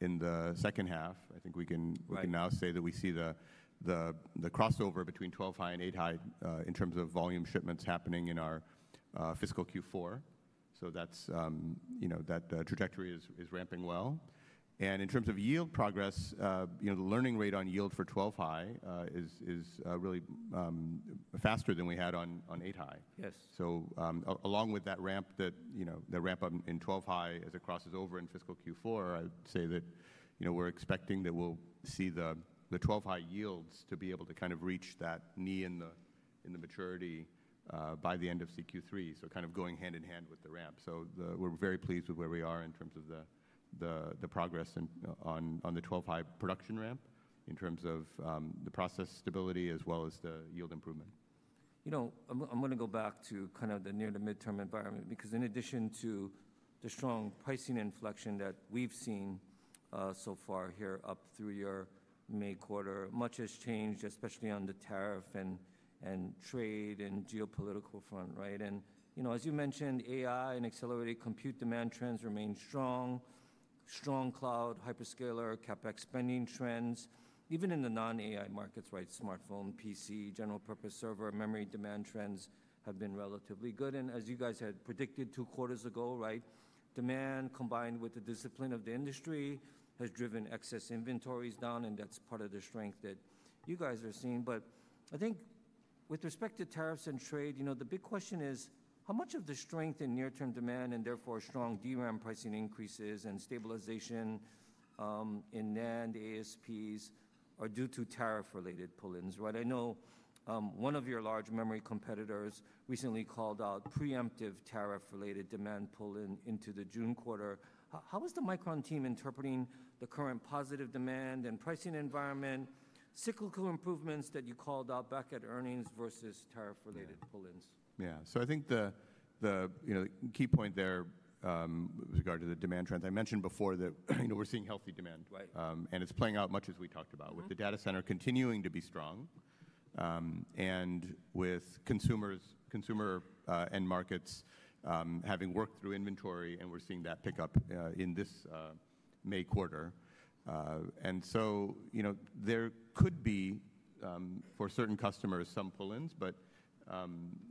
in the second half. I think we can now say that we see the crossover between 12-high and 8-high in terms of volume shipments happening in our fiscal Q4. That's, you know, that trajectory is ramping well. In terms of yield progress, you know, the learning rate on yield for 12-high is really faster than we had on 8-high. Yes. Along with that ramp that, you know, that ramp up in 12-high as it crosses over in fiscal Q4, I'd say that, you know, we're expecting that we'll see the 12-high yields to be able to kind of reach that knee in the maturity by the end of Q3. Kind of going hand in hand with the ramp. We're very pleased with where we are in terms of the progress on the 12-high production ramp in terms of the process stability as well as the yield improvement. You know, I'm going to go back to kind of the near to midterm environment because in addition to the strong pricing inflection that we've seen so far here up through your May quarter, much has changed, especially on the tariff and trade and geopolitical front, right? You know, as you mentioned, AI and accelerated compute demand trends remain strong, strong cloud, hyperscaler, CapEx spending trends. Even in the non-AI markets, right, smartphone, PC, general purpose server, memory demand trends have been relatively good. As you guys had predicted two quarters ago, right, demand combined with the discipline of the industry has driven excess inventories down. That's part of the strength that you guys are seeing. I think with respect to tariffs and trade, you know, the big question is how much of the strength in near-term demand and therefore strong DRAM pricing increases and stabilization in NAND, ASPs are due to tariff-related pull-ins, right? I know one of your large memory competitors recently called out preemptive tariff-related demand pull-in into the June quarter. How is the Micron team interpreting the current positive demand and pricing environment, cyclical improvements that you called out back at earnings versus tariff-related pull-ins? Yeah. I think the, you know, key point there with regard to the demand trends, I mentioned before that, you know, we're seeing healthy demand. Right. It is playing out much as we talked about with the data center continuing to be strong and with consumer end markets having worked through inventory. We are seeing that pick up in this May quarter. You know, there could be for certain customers some pull-ins. You know,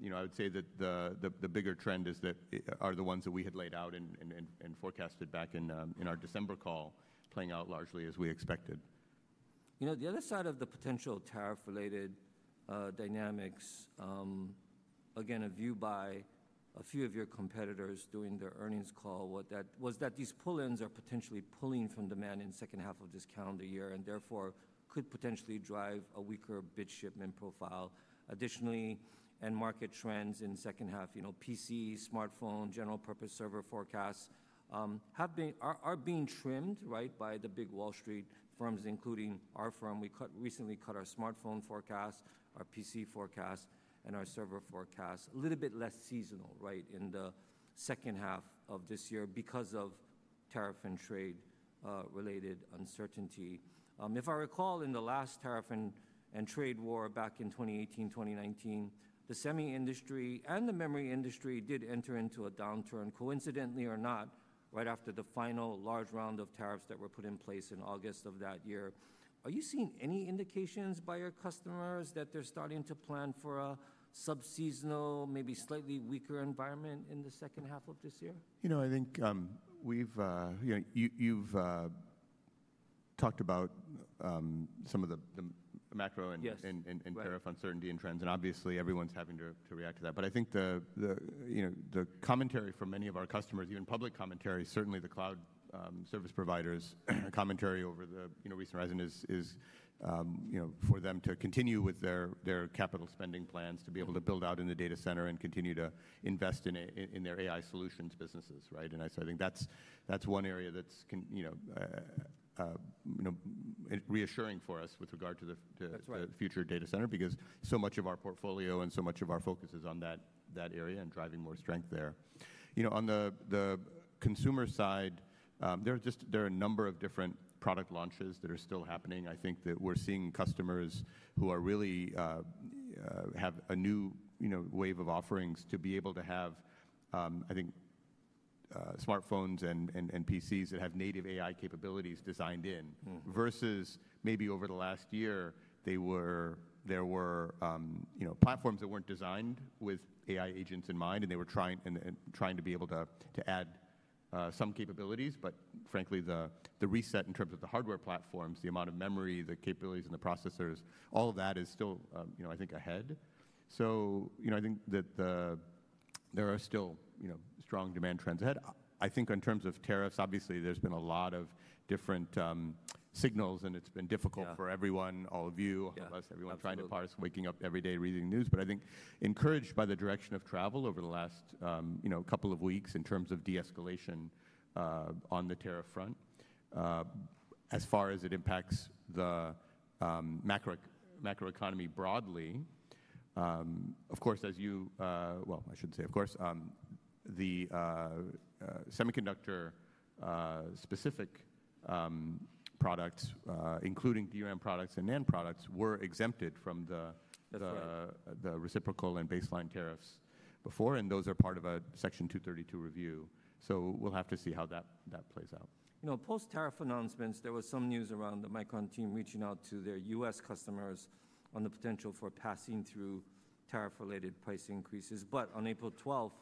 I would say that the bigger trend is that the ones that we had laid out and forecasted back in our December call are playing out largely as we expected. You know, the other side of the potential tariff-related dynamics, again, a view by a few of your competitors during their earnings call was that these pull-ins are potentially pulling from demand in the second half of this calendar year and therefore could potentially drive a weaker bit shipment profile. Additionally, end market trends in the second half, you know, PC, smartphone, general purpose server forecasts have been, are being trimmed, right, by the big Wall Street firms, including our firm. We recently cut our smartphone forecast, our PC forecast, and our server forecast a little bit less seasonal, right, in the second half of this year because of tariff and trade-related uncertainty. If I recall, in the last tariff and trade war back in 2018, 2019, the semi industry and the memory industry did enter into a downturn, coincidentally or not, right after the final large round of tariffs that were put in place in August of that year. Are you seeing any indications by your customers that they're starting to plan for a subseasonal, maybe slightly weaker environment in the second half of this year? You know, I think we've, you know, you've talked about some of the macro and tariff uncertainty and trends. Obviously, everyone's having to react to that. I think the, you know, the commentary from many of our customers, even public commentary, certainly the cloud service providers' commentary over the recent horizon is, you know, for them to continue with their capital spending plans to be able to build out in the data center and continue to invest in their AI solutions businesses, right? I think that's one area that's, you know, reassuring for us with regard to the future data center because so much of our portfolio and so much of our focus is on that area and driving more strength there. You know, on the consumer side, there are just, there are a number of different product launches that are still happening. I think that we're seeing customers who really have a new, you know, wave of offerings to be able to have, I think, smartphones and PCs that have native AI capabilities designed in versus maybe over the last year, there were, you know, platforms that weren't designed with AI agents in mind. They were trying to be able to add some capabilities. Frankly, the reset in terms of the hardware platforms, the amount of memory, the capabilities and the processors, all of that is still, you know, I think ahead. You know, I think that there are still, you know, strong demand trends ahead. I think in terms of tariffs, obviously, there's been a lot of different signals. It's been difficult for everyone, all of you, unless everyone's trying to parse waking up every day reading news. I think encouraged by the direction of travel over the last, you know, couple of weeks in terms of de-escalation on the tariff front, as far as it impacts the macroeconomy broadly. Of course, as you, well, I shouldn't say of course, the semiconductor-specific products, including DRAM products and NAND products, were exempted from the reciprocal and baseline tariffs before. Those are part of a Section 232 review. We will have to see how that plays out. You know, post-tariff announcements, there was some news around the Micron team reaching out to their U.S. customers on the potential for passing through tariff-related price increases. On April 12th,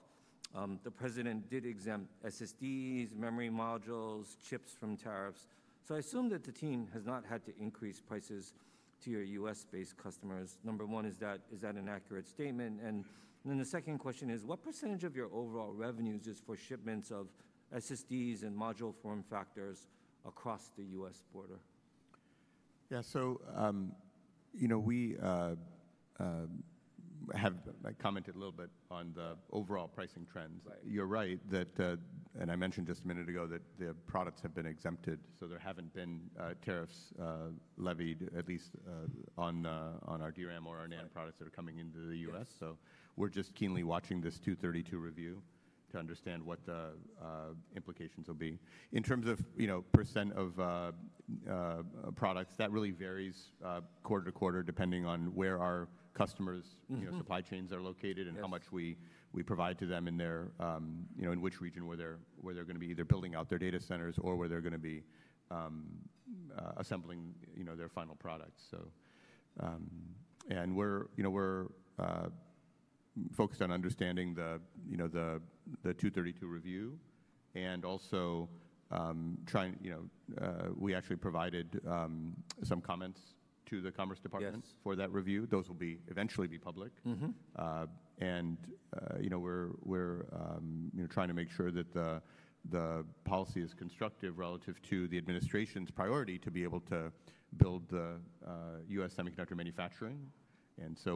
the president did exempt SSDs, memory modules, chips from tariffs. I assume that the team has not had to increase prices to your U.S.-based customers. Number one, is that an accurate statement? The second question is, what percentage of your overall revenues is for shipments of SSDs and module form factors across the U.S. border? Yeah. So, you know, we have commented a little bit on the overall pricing trends. You're right that, and I mentioned just a minute ago that the products have been exempted. There have not been tariffs levied at least on our DRAM or our NAND products that are coming into the U.S. We are just keenly watching this 232 review to understand what the implications will be. In terms of, you know, % of products, that really varies quarter to quarter depending on where our customers', you know, supply chains are located and how much we provide to them in their, you know, in which region where they're going to be either building out their data centers or where they're going to be assembling, you know, their final products. We're, you know, focused on understanding the, you know, the Section 232 review and also trying, you know, we actually provided some comments to the Commerce Department for that review. Those will eventually be public. You know, we're trying to make sure that the policy is constructive relative to the administration's priority to be able to build the U.S. semiconductor manufacturing.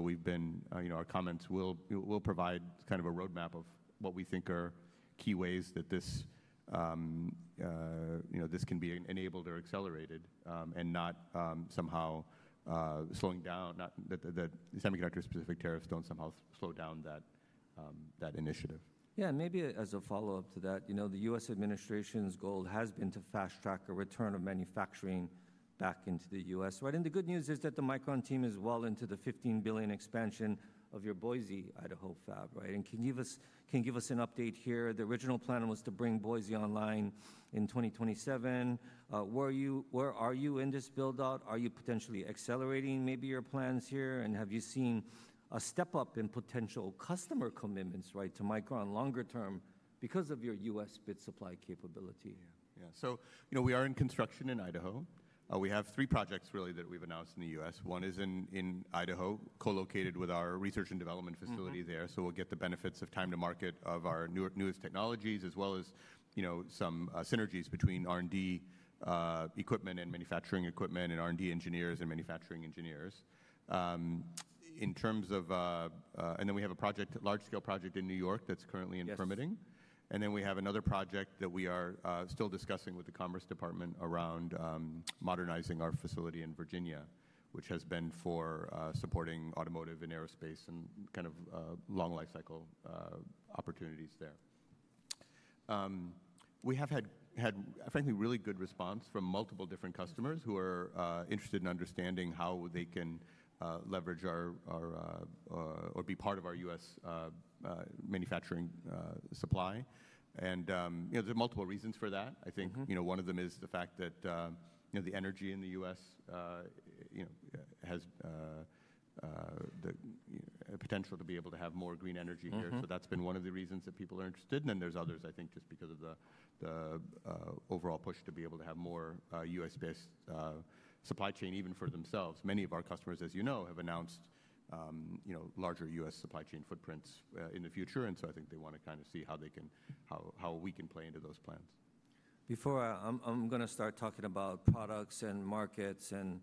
We've been, you know, our comments will provide kind of a roadmap of what we think are key ways that this, you know, this can be enabled or accelerated and not somehow slowing down, not that the semiconductor-specific tariffs don't somehow slow down that initiative. Yeah. Maybe as a follow-up to that, you know, the U.S. administration's goal has been to fast-track a return of manufacturing back into the U.S., right? The good news is that the Micron team is well into the $15 billion expansion of your Boise, Idaho fab, right? Can you give us, can you give us an update here? The original plan was to bring Boise online in 2027. Where are you in this build-out? Are you potentially accelerating maybe your plans here? Have you seen a step up in potential customer commitments, right, to Micron longer term because of your U.S. bid supply capability? Yeah. So, you know, we are in construction in Idaho. We have three projects really that we've announced in the U.S. One is in Idaho, co-located with our research and development facility there. We'll get the benefits of time to market of our newest technologies as well as, you know, some synergies between R&D equipment and manufacturing equipment and R&D engineers and manufacturing engineers. In terms of, and then we have a project, a large-scale project in New York that's currently in permitting. We have another project that we are still discussing with the Commerce Department around modernizing our facility in Virginia, which has been for supporting automotive and aerospace and kind of long life cycle opportunities there. We have had, frankly, really good response from multiple different customers who are interested in understanding how they can leverage our or be part of our U.S. manufacturing supply. There are multiple reasons for that. I think one of them is the fact that the energy in the U.S. has the potential to be able to have more green energy here. That has been one of the reasons that people are interested. There are others, I think, just because of the overall push to be able to have more U.S.-based supply chain even for themselves. Many of our customers, as you know, have announced larger U.S. supply chain footprints in the future. I think they want to kind of see how they can, how we can play into those plans. Before I'm going to start talking about products and markets and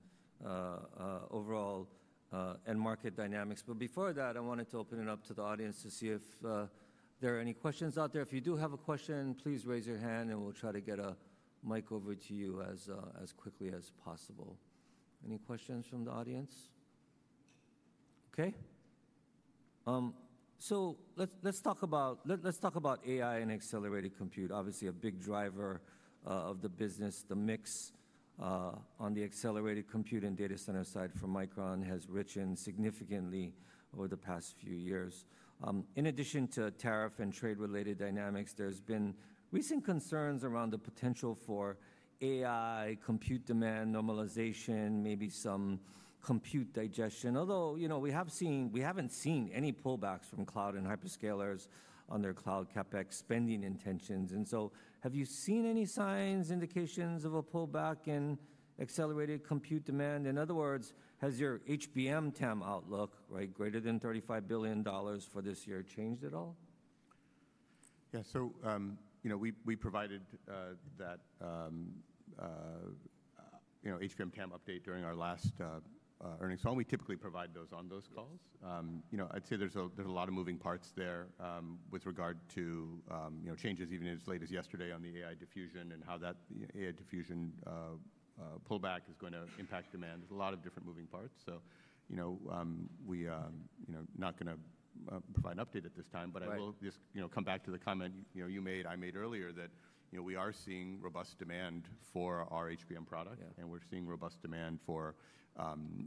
overall market dynamics. Before that, I wanted to open it up to the audience to see if there are any questions out there. If you do have a question, please raise your hand and we'll try to get a mic over to you as quickly as possible. Any questions from the audience? Okay. Let's talk about AI and accelerated compute. Obviously, a big driver of the business, the mix on the accelerated compute and data center side for Micron has risen significantly over the past few years. In addition to tariff and trade-related dynamics, there's been recent concerns around the potential for AI compute demand normalization, maybe some compute digestion. Although, you know, we haven't seen any pullbacks from cloud and hyperscalers on their cloud CapEx spending intentions. Have you seen any signs, indications of a pullback in accelerated compute demand? In other words, has your HBM TAM outlook, right, greater than $35 billion for this year, changed at all? Yeah. So, you know, we provided that, you know, HBM TAM update during our last earnings call. We typically provide those on those calls. I'd say there's a lot of moving parts there with regard to, you know, changes even as late as yesterday on the AI diffusion and how that AI diffusion pullback is going to impact demand. There's a lot of different moving parts. You know, we are not going to provide an update at this time, but I will just, you know, come back to the comment you made, I made earlier that, you know, we are seeing robust demand for our HBM product and we're seeing robust demand for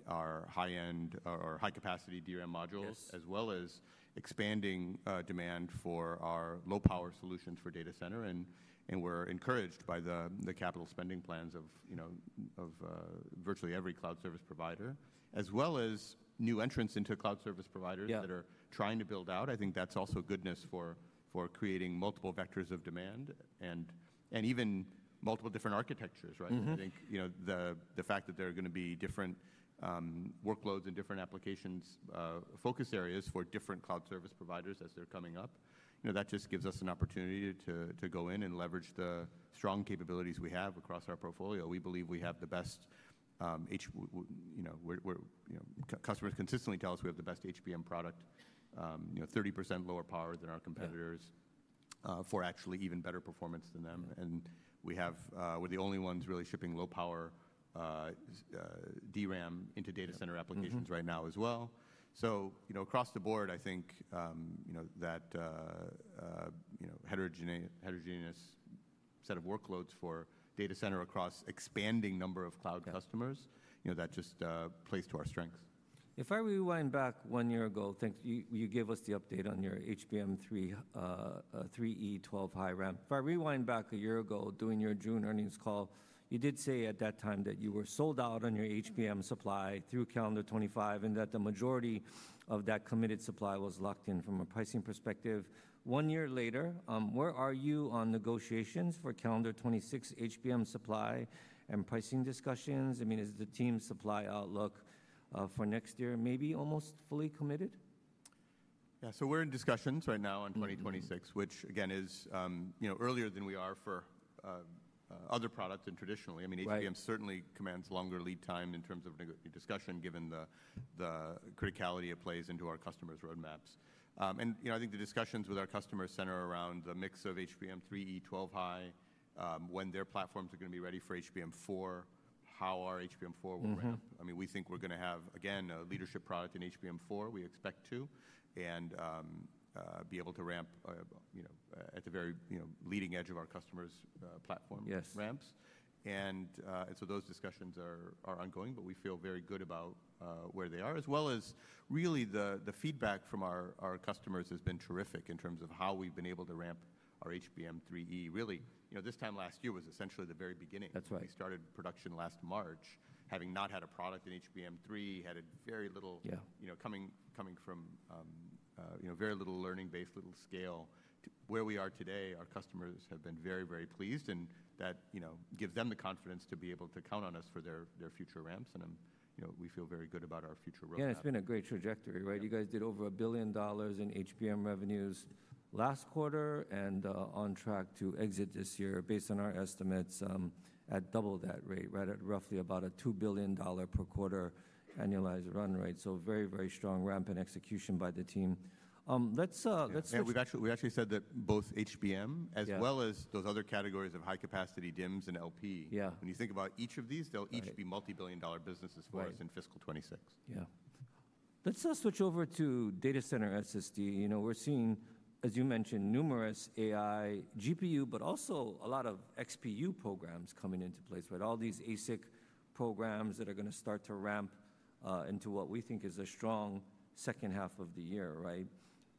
our high-end or high-capacity DRAM modules as well as expanding demand for our low-power solutions for data center. We're encouraged by the capital spending plans of, you know, virtually every cloud service provider as well as new entrants into cloud service providers that are trying to build out. I think that's also goodness for creating multiple vectors of demand and even multiple different architectures, right? I think, you know, the fact that there are going to be different workloads and different applications focus areas for different cloud service providers as they're coming up, you know, that just gives us an opportunity to go in and leverage the strong capabilities we have across our portfolio. We believe we have the best, you know, customers consistently tell us we have the best HBM product, you know, 30% lower power than our competitors for actually even better performance than them. And we have, we're the only ones really shipping low-power DRAM into data center applications right now as well. You know, across the board, I think, you know, that, you know, heterogeneous set of workloads for data center across expanding number of cloud customers, you know, that just plays to our strengths. If I rewind back one year ago, you gave us the update on your HBM3E 12-high ramp. If I rewind back a year ago during your June earnings call, you did say at that time that you were sold out on your HBM supply through calendar 2025 and that the majority of that committed supply was locked in from a pricing perspective. One year later, where are you on negotiations for calendar 2026 HBM supply and pricing discussions? I mean, is the team's supply outlook for next year maybe almost fully committed? Yeah. We're in discussions right now on 2026, which again is, you know, earlier than we are for other products and traditionally. I mean, HBM certainly commands longer lead time in terms of discussion given the criticality it plays into our customers' roadmaps. You know, I think the discussions with our customers center around the mix of HBM3E 12-high, when their platforms are going to be ready for HBM4, how our HBM4 will ramp. I mean, we think we're going to have, again, a leadership product in HBM4. We expect to, and be able to ramp, you know, at the very, you know, leading edge of our customers' platform ramps. Those discussions are ongoing, but we feel very good about where they are. As well as really the feedback from our customers has been terrific in terms of how we've been able to ramp our HBM3E. Really, you know, this time last year was essentially the very beginning. We started production last March, having not had a product in HBM3, had very little, you know, coming from, you know, very little learning-based, little scale. Where we are today, our customers have been very, very pleased. That, you know, gives them the confidence to be able to count on us for their future ramps. You know, we feel very good about our future roadmap. Yeah. It's been a great trajectory, right? You guys did over $1 billion in HBM revenues last quarter and on track to exit this year based on our estimates at double that rate, right? At roughly about a $2 billion per quarter annualized run, right? So very, very strong ramp and execution by the team. Let's switch. Yeah. We've actually said that both HBM as well as those other categories of high-capacity DIMMs and LP. When you think about each of these, they'll each be multi-billion dollar businesses for us in fiscal 2026. Yeah. Let's switch over to data center SSD. You know, we're seeing, as you mentioned, numerous AI, GPU, but also a lot of XPU programs coming into place, right? All these ASIC programs that are going to start to ramp into what we think is a strong second half of the year, right?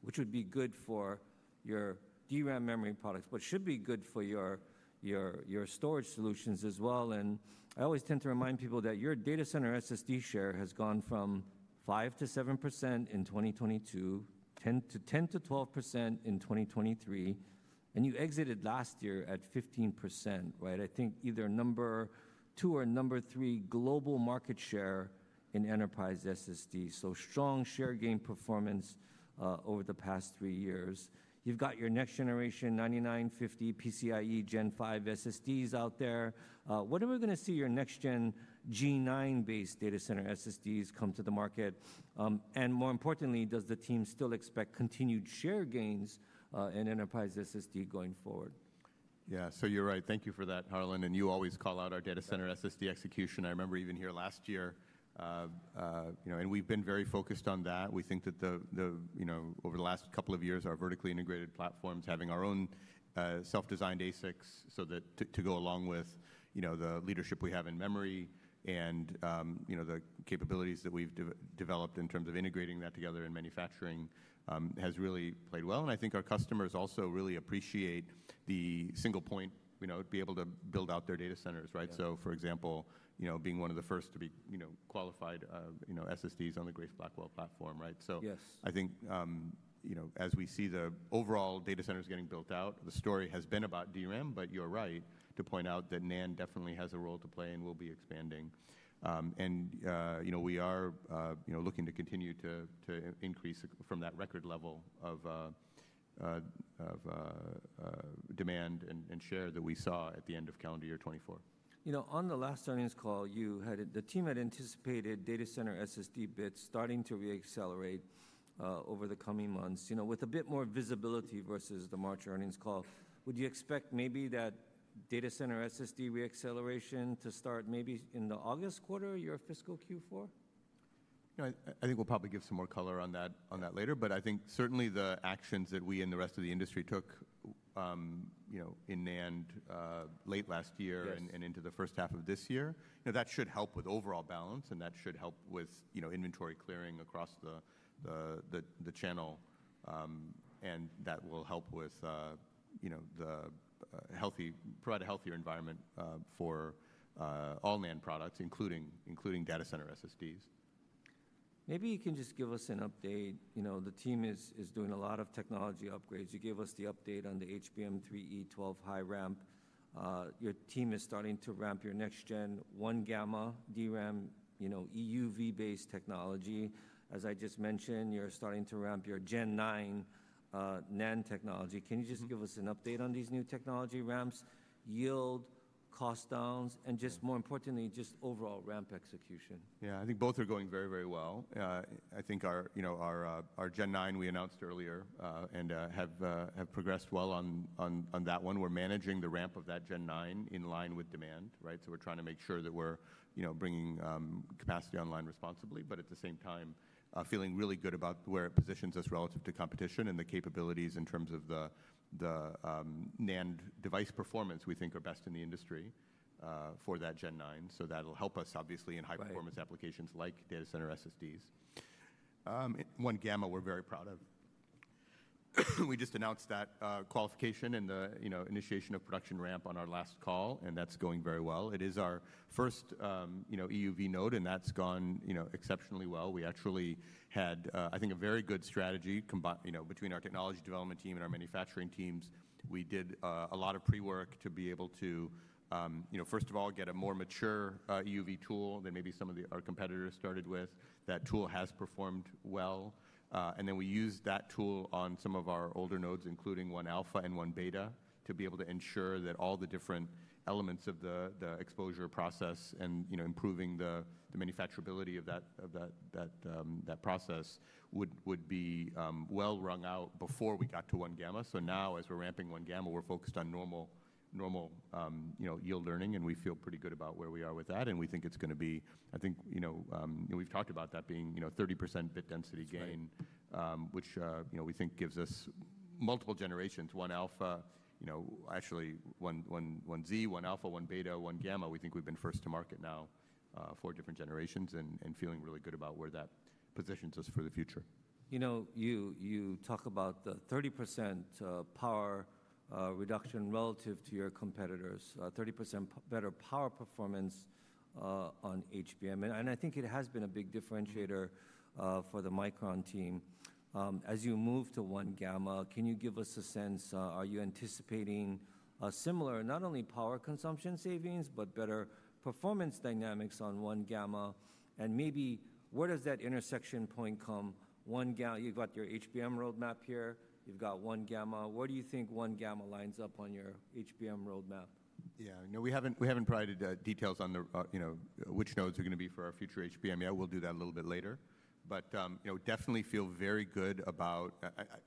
Which would be good for your DRAM memory products, but should be good for your storage solutions as well. I always tend to remind people that your data center SSD share has gone from 5-7% in 2022, 10-12% in 2023. You exited last year at 15%, right? I think either number two or number three global market share in enterprise SSD. Strong share gain performance over the past three years. You've got your next generation 9950X PCIe Gen 5 SSDs out there. What are we going to see your next-gen G9-based data center SSDs come to the market? And more importantly, does the team still expect continued share gains in enterprise SSD going forward? Yeah. You're right. Thank you for that, Harlan. You always call out our data center SSD execution. I remember even here last year, and we've been very focused on that. We think that over the last couple of years, our vertically integrated platforms, having our own self-designed ASICs to go along with the leadership we have in memory and the capabilities that we've developed in terms of integrating that together in manufacturing, has really played well. I think our customers also really appreciate the single point to be able to build out their data centers, right? For example, being one of the first to be qualified SSDs on the Grace Blackwell platform, right? I think, you know, as we see the overall data centers getting built out, the story has been about DRAM, but you're right to point out that NAND definitely has a role to play and will be expanding. You know, we are, you know, looking to continue to increase from that record level of demand and share that we saw at the end of calendar year 2024. You know, on the last earnings call, you had the team had anticipated data center SSD bits starting to reaccelerate over the coming months, you know, with a bit more visibility versus the March earnings call. Would you expect maybe that data center SSD reacceleration to start maybe in the August quarter, your fiscal Q4? You know, I think we'll probably give some more color on that later. I think certainly the actions that we and the rest of the industry took, you know, in NAND late last year and into the first half of this year, you know, that should help with overall balance and that should help with, you know, inventory clearing across the channel. That will help with, you know, provide a healthier environment for all NAND products, including data center SSDs. Maybe you can just give us an update. You know, the team is doing a lot of technology upgrades. You gave us the update on the HBM3E 12-high ramp. Your team is starting to ramp your next-gen 1-gamma DRAM, you know, EUV-based technology. As I just mentioned, you're starting to ramp your Gen9 NAND technology. Can you just give us an update on these new technology ramps, yield, cost downs, and just more importantly, just overall ramp execution? Yeah. I think both are going very, very well. I think our, you know, our Gen9, we announced earlier and have progressed well on that one. We're managing the ramp of that Gen9 in line with demand, right? We're trying to make sure that we're, you know, bringing capacity online responsibly, but at the same time, feeling really good about where it positions us relative to competition and the capabilities in terms of the NAND device performance we think are best in the industry for that Gen9. That'll help us obviously in high-performance applications like data center SSDs. 1-gamma we're very proud of. We just announced that qualification and the, you know, initiation of production ramp on our last call, and that's going very well. It is our first, you know, EUV node and that's gone, you know, exceptionally well. We actually had, I think, a very good strategy, you know, between our technology development team and our manufacturing teams. We did a lot of pre-work to be able to, you know, first of all, get a more mature EUV tool than maybe some of our competitors started with. That tool has performed well. We used that tool on some of our older nodes, including 1-alpha and 1-beta, to be able to ensure that all the different elements of the exposure process and, you know, improving the manufacturability of that process would be well rung out before we got to 1-gamma. Now, as we're ramping 1-gamma, we're focused on normal, you know, yield learning, and we feel pretty good about where we are with that. We think it's going to be, I think, you know, we've talked about that being, you know, 30% bit density gain, which, you know, we think gives us multiple generations, 1-alpha, you know, actually 1-Z, 1-alpha, 1-beta, 1-gamma. We think we've been first to market now for different generations and feeling really good about where that positions us for the future. You know, you talk about the 30% power reduction relative to your competitors, 30% better power performance on HBM. I think it has been a big differentiator for the Micron team. As you move to 1-gamma, can you give us a sense? Are you anticipating similar, not only power consumption savings, but better performance dynamics on 1-gamma? Maybe where does that intersection point come? 1-gamma, you've got your HBM roadmap here, you've got 1-gamma. Where do you think 1-gamma lines up on your HBM roadmap? Yeah. No, we haven't provided details on the, you know, which nodes are going to be for our future HBM. Yeah, we'll do that a little bit later. But, you know, definitely feel very good about,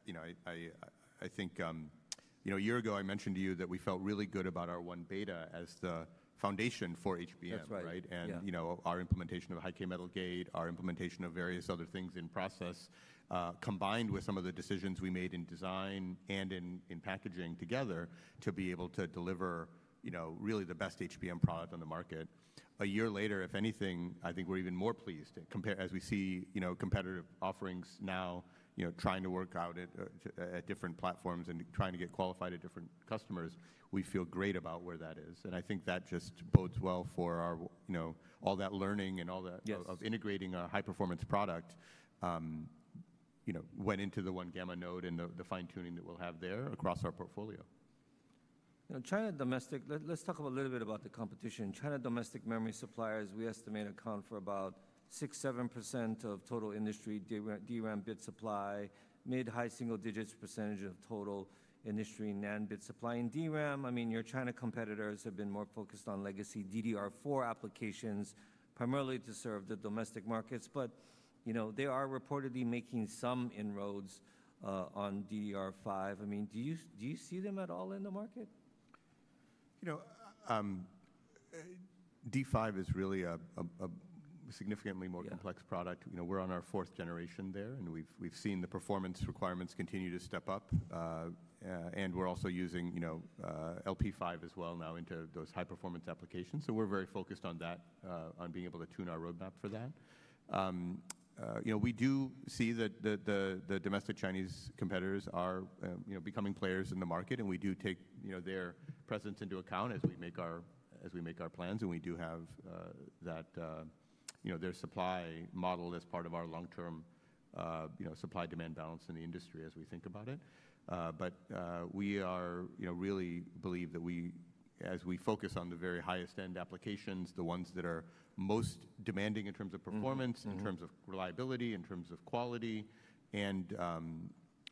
you know, I think, you know, a year ago, I mentioned to you that we felt really good about our one beta as the foundation for HBM, right? And, you know, our implementation of high-k metal gate, our implementation of various other things in process, combined with some of the decisions we made in design and in packaging together to be able to deliver, you know, really the best HBM product on the market. A year later, if anything, I think we're even more pleased as we see, you know, competitive offerings now, you know, trying to work out at different platforms and trying to get qualified at different customers. We feel great about where that is. I think that just bodes well for our, you know, all that learning and all that of integrating a high-performance product, you know, went into the 1-gamma node and the fine-tuning that we'll have there across our portfolio. You know, China domestic, let's talk a little bit about the competition. China domestic memory suppliers, we estimate account for about 6%-7% of total industry DRAM bit supply, mid-high single digits % of total industry NAND bit supply. In DRAM, I mean, your China competitors have been more focused on legacy DDR4 applications, primarily to serve the domestic markets. You know, they are reportedly making some inroads on DDR5. I mean, do you see them at all in the market? You know, D5 is really a significantly more complex product. You know, we're on our fourth generation there, and we've seen the performance requirements continue to step up. We're also using, you know, LP5 as well now into those high-performance applications. We're very focused on that, on being able to tune our roadmap for that. You know, we do see that the domestic Chinese competitors are, you know, becoming players in the market, and we do take, you know, their presence into account as we make our plans. We do have that, you know, their supply model as part of our long-term, you know, supply-demand balance in the industry as we think about it. We are, you know, really believe that we, as we focus on the very highest-end applications, the ones that are most demanding in terms of performance, in terms of reliability, in terms of quality and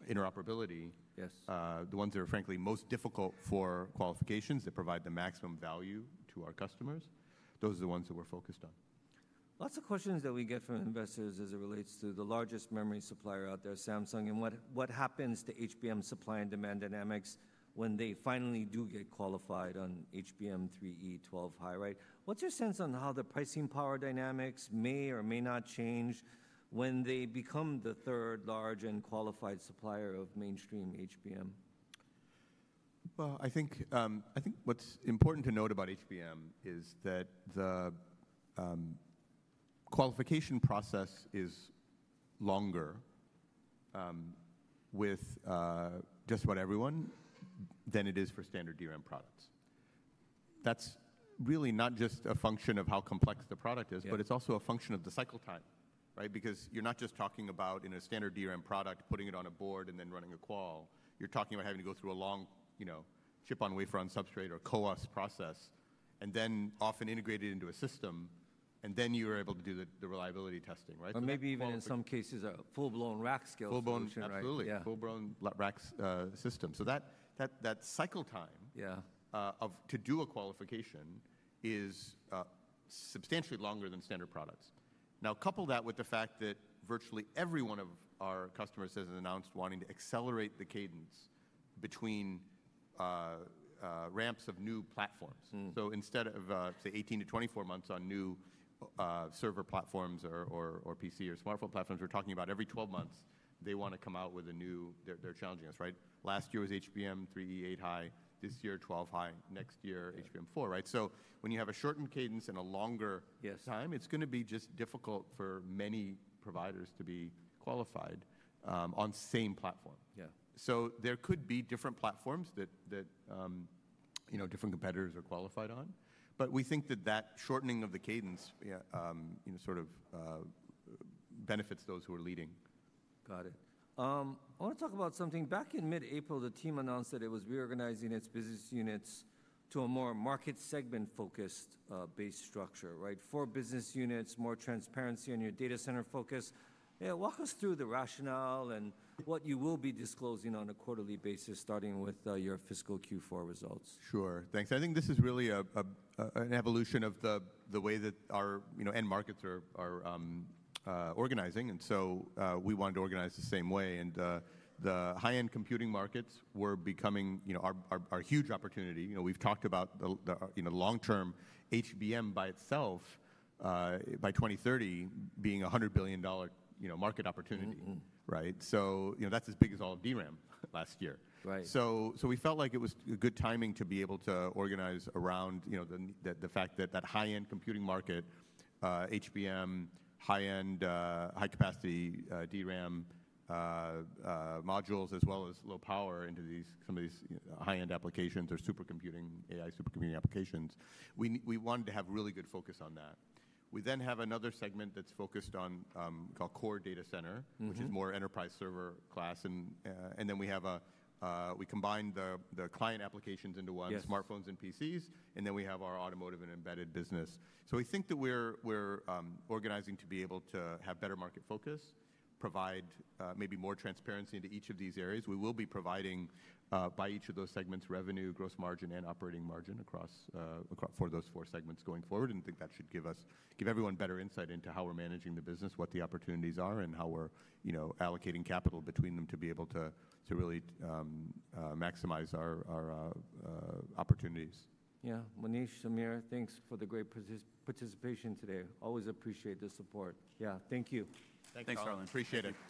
interoperability, the ones that are frankly most difficult for qualifications that provide the maximum value to our customers, those are the ones that we're focused on. Lots of questions that we get from investors as it relates to the largest memory supplier out there, Samsung. What happens to HBM supply and demand dynamics when they finally do get qualified on HBM3E 12-high, right? What's your sense on how the pricing power dynamics may or may not change when they become the third-largest and qualified supplier of mainstream HBM? I think what's important to note about HBM is that the qualification process is longer with just about everyone than it is for standard DRAM products. That's really not just a function of how complex the product is, but it's also a function of the cycle time, right? Because you're not just talking about in a standard DRAM product, putting it on a board and then running a qual. You're talking about having to go through a long, you know, chip-on-wafer-on-substrate or CoWoS process, and then often integrated into a system, and then you are able to do the reliability testing, right? Maybe even in some cases, a full-blown rack scale solution. Full-blown, absolutely. Full-blown rack system. That cycle time to do a qualification is substantially longer than standard products. Now, couple that with the fact that virtually every one of our customers has announced wanting to accelerate the cadence between ramps of new platforms. Instead of, say, 18-24 months on new server platforms or PC or smartphone platforms, we're talking about every 12 months, they want to come out with a new, they're challenging us, right? Last year was HBM3E 8-high, this year 12-high, next year HBM 4, right? When you have a shortened cadence and a longer time, it's going to be just difficult for many providers to be qualified on the same platform. There could be different platforms that, you know, different competitors are qualified on. We think that that shortening of the cadence, you know, sort of benefits those who are leading. Got it. I want to talk about something. Back in mid-April, the team announced that it was reorganizing its business units to a more market segment-focused base structure, right? Four business units, more transparency on your data center focus. Walk us through the rationale and what you will be disclosing on a quarterly basis, starting with your fiscal Q4 results. Sure. Thanks. I think this is really an evolution of the way that our, you know, end markets are organizing. We wanted to organize the same way. The high-end computing markets were becoming, you know, our huge opportunity. You know, we've talked about the, you know, long-term HBM by itself by 2030 being a $100 billion, you know, market opportunity, right? That is as big as all of DRAM last year. We felt like it was good timing to be able to organize around, you know, the fact that that high-end computing market, HBM, high-end, high-capacity DRAM modules, as well as low power into some of these high-end applications or supercomputing, AI supercomputing applications. We wanted to have really good focus on that. We then have another segment that's focused on called core data center, which is more enterprise server class. We combine the client applications into one, smartphones and PCs, and then we have our automotive and embedded business. We think that we're organizing to be able to have better market focus, provide maybe more transparency into each of these areas. We will be providing by each of those segments, revenue, gross margin, and operating margin across for those four segments going forward. I think that should give us, give everyone better insight into how we're managing the business, what the opportunities are, and how we're, you know, allocating capital between them to be able to really maximize our opportunities. Yeah. Manish, Samir, thanks for the great participation today. Always appreciate the support. Yeah. Thank you. Thanks, Harlan. Appreciate it.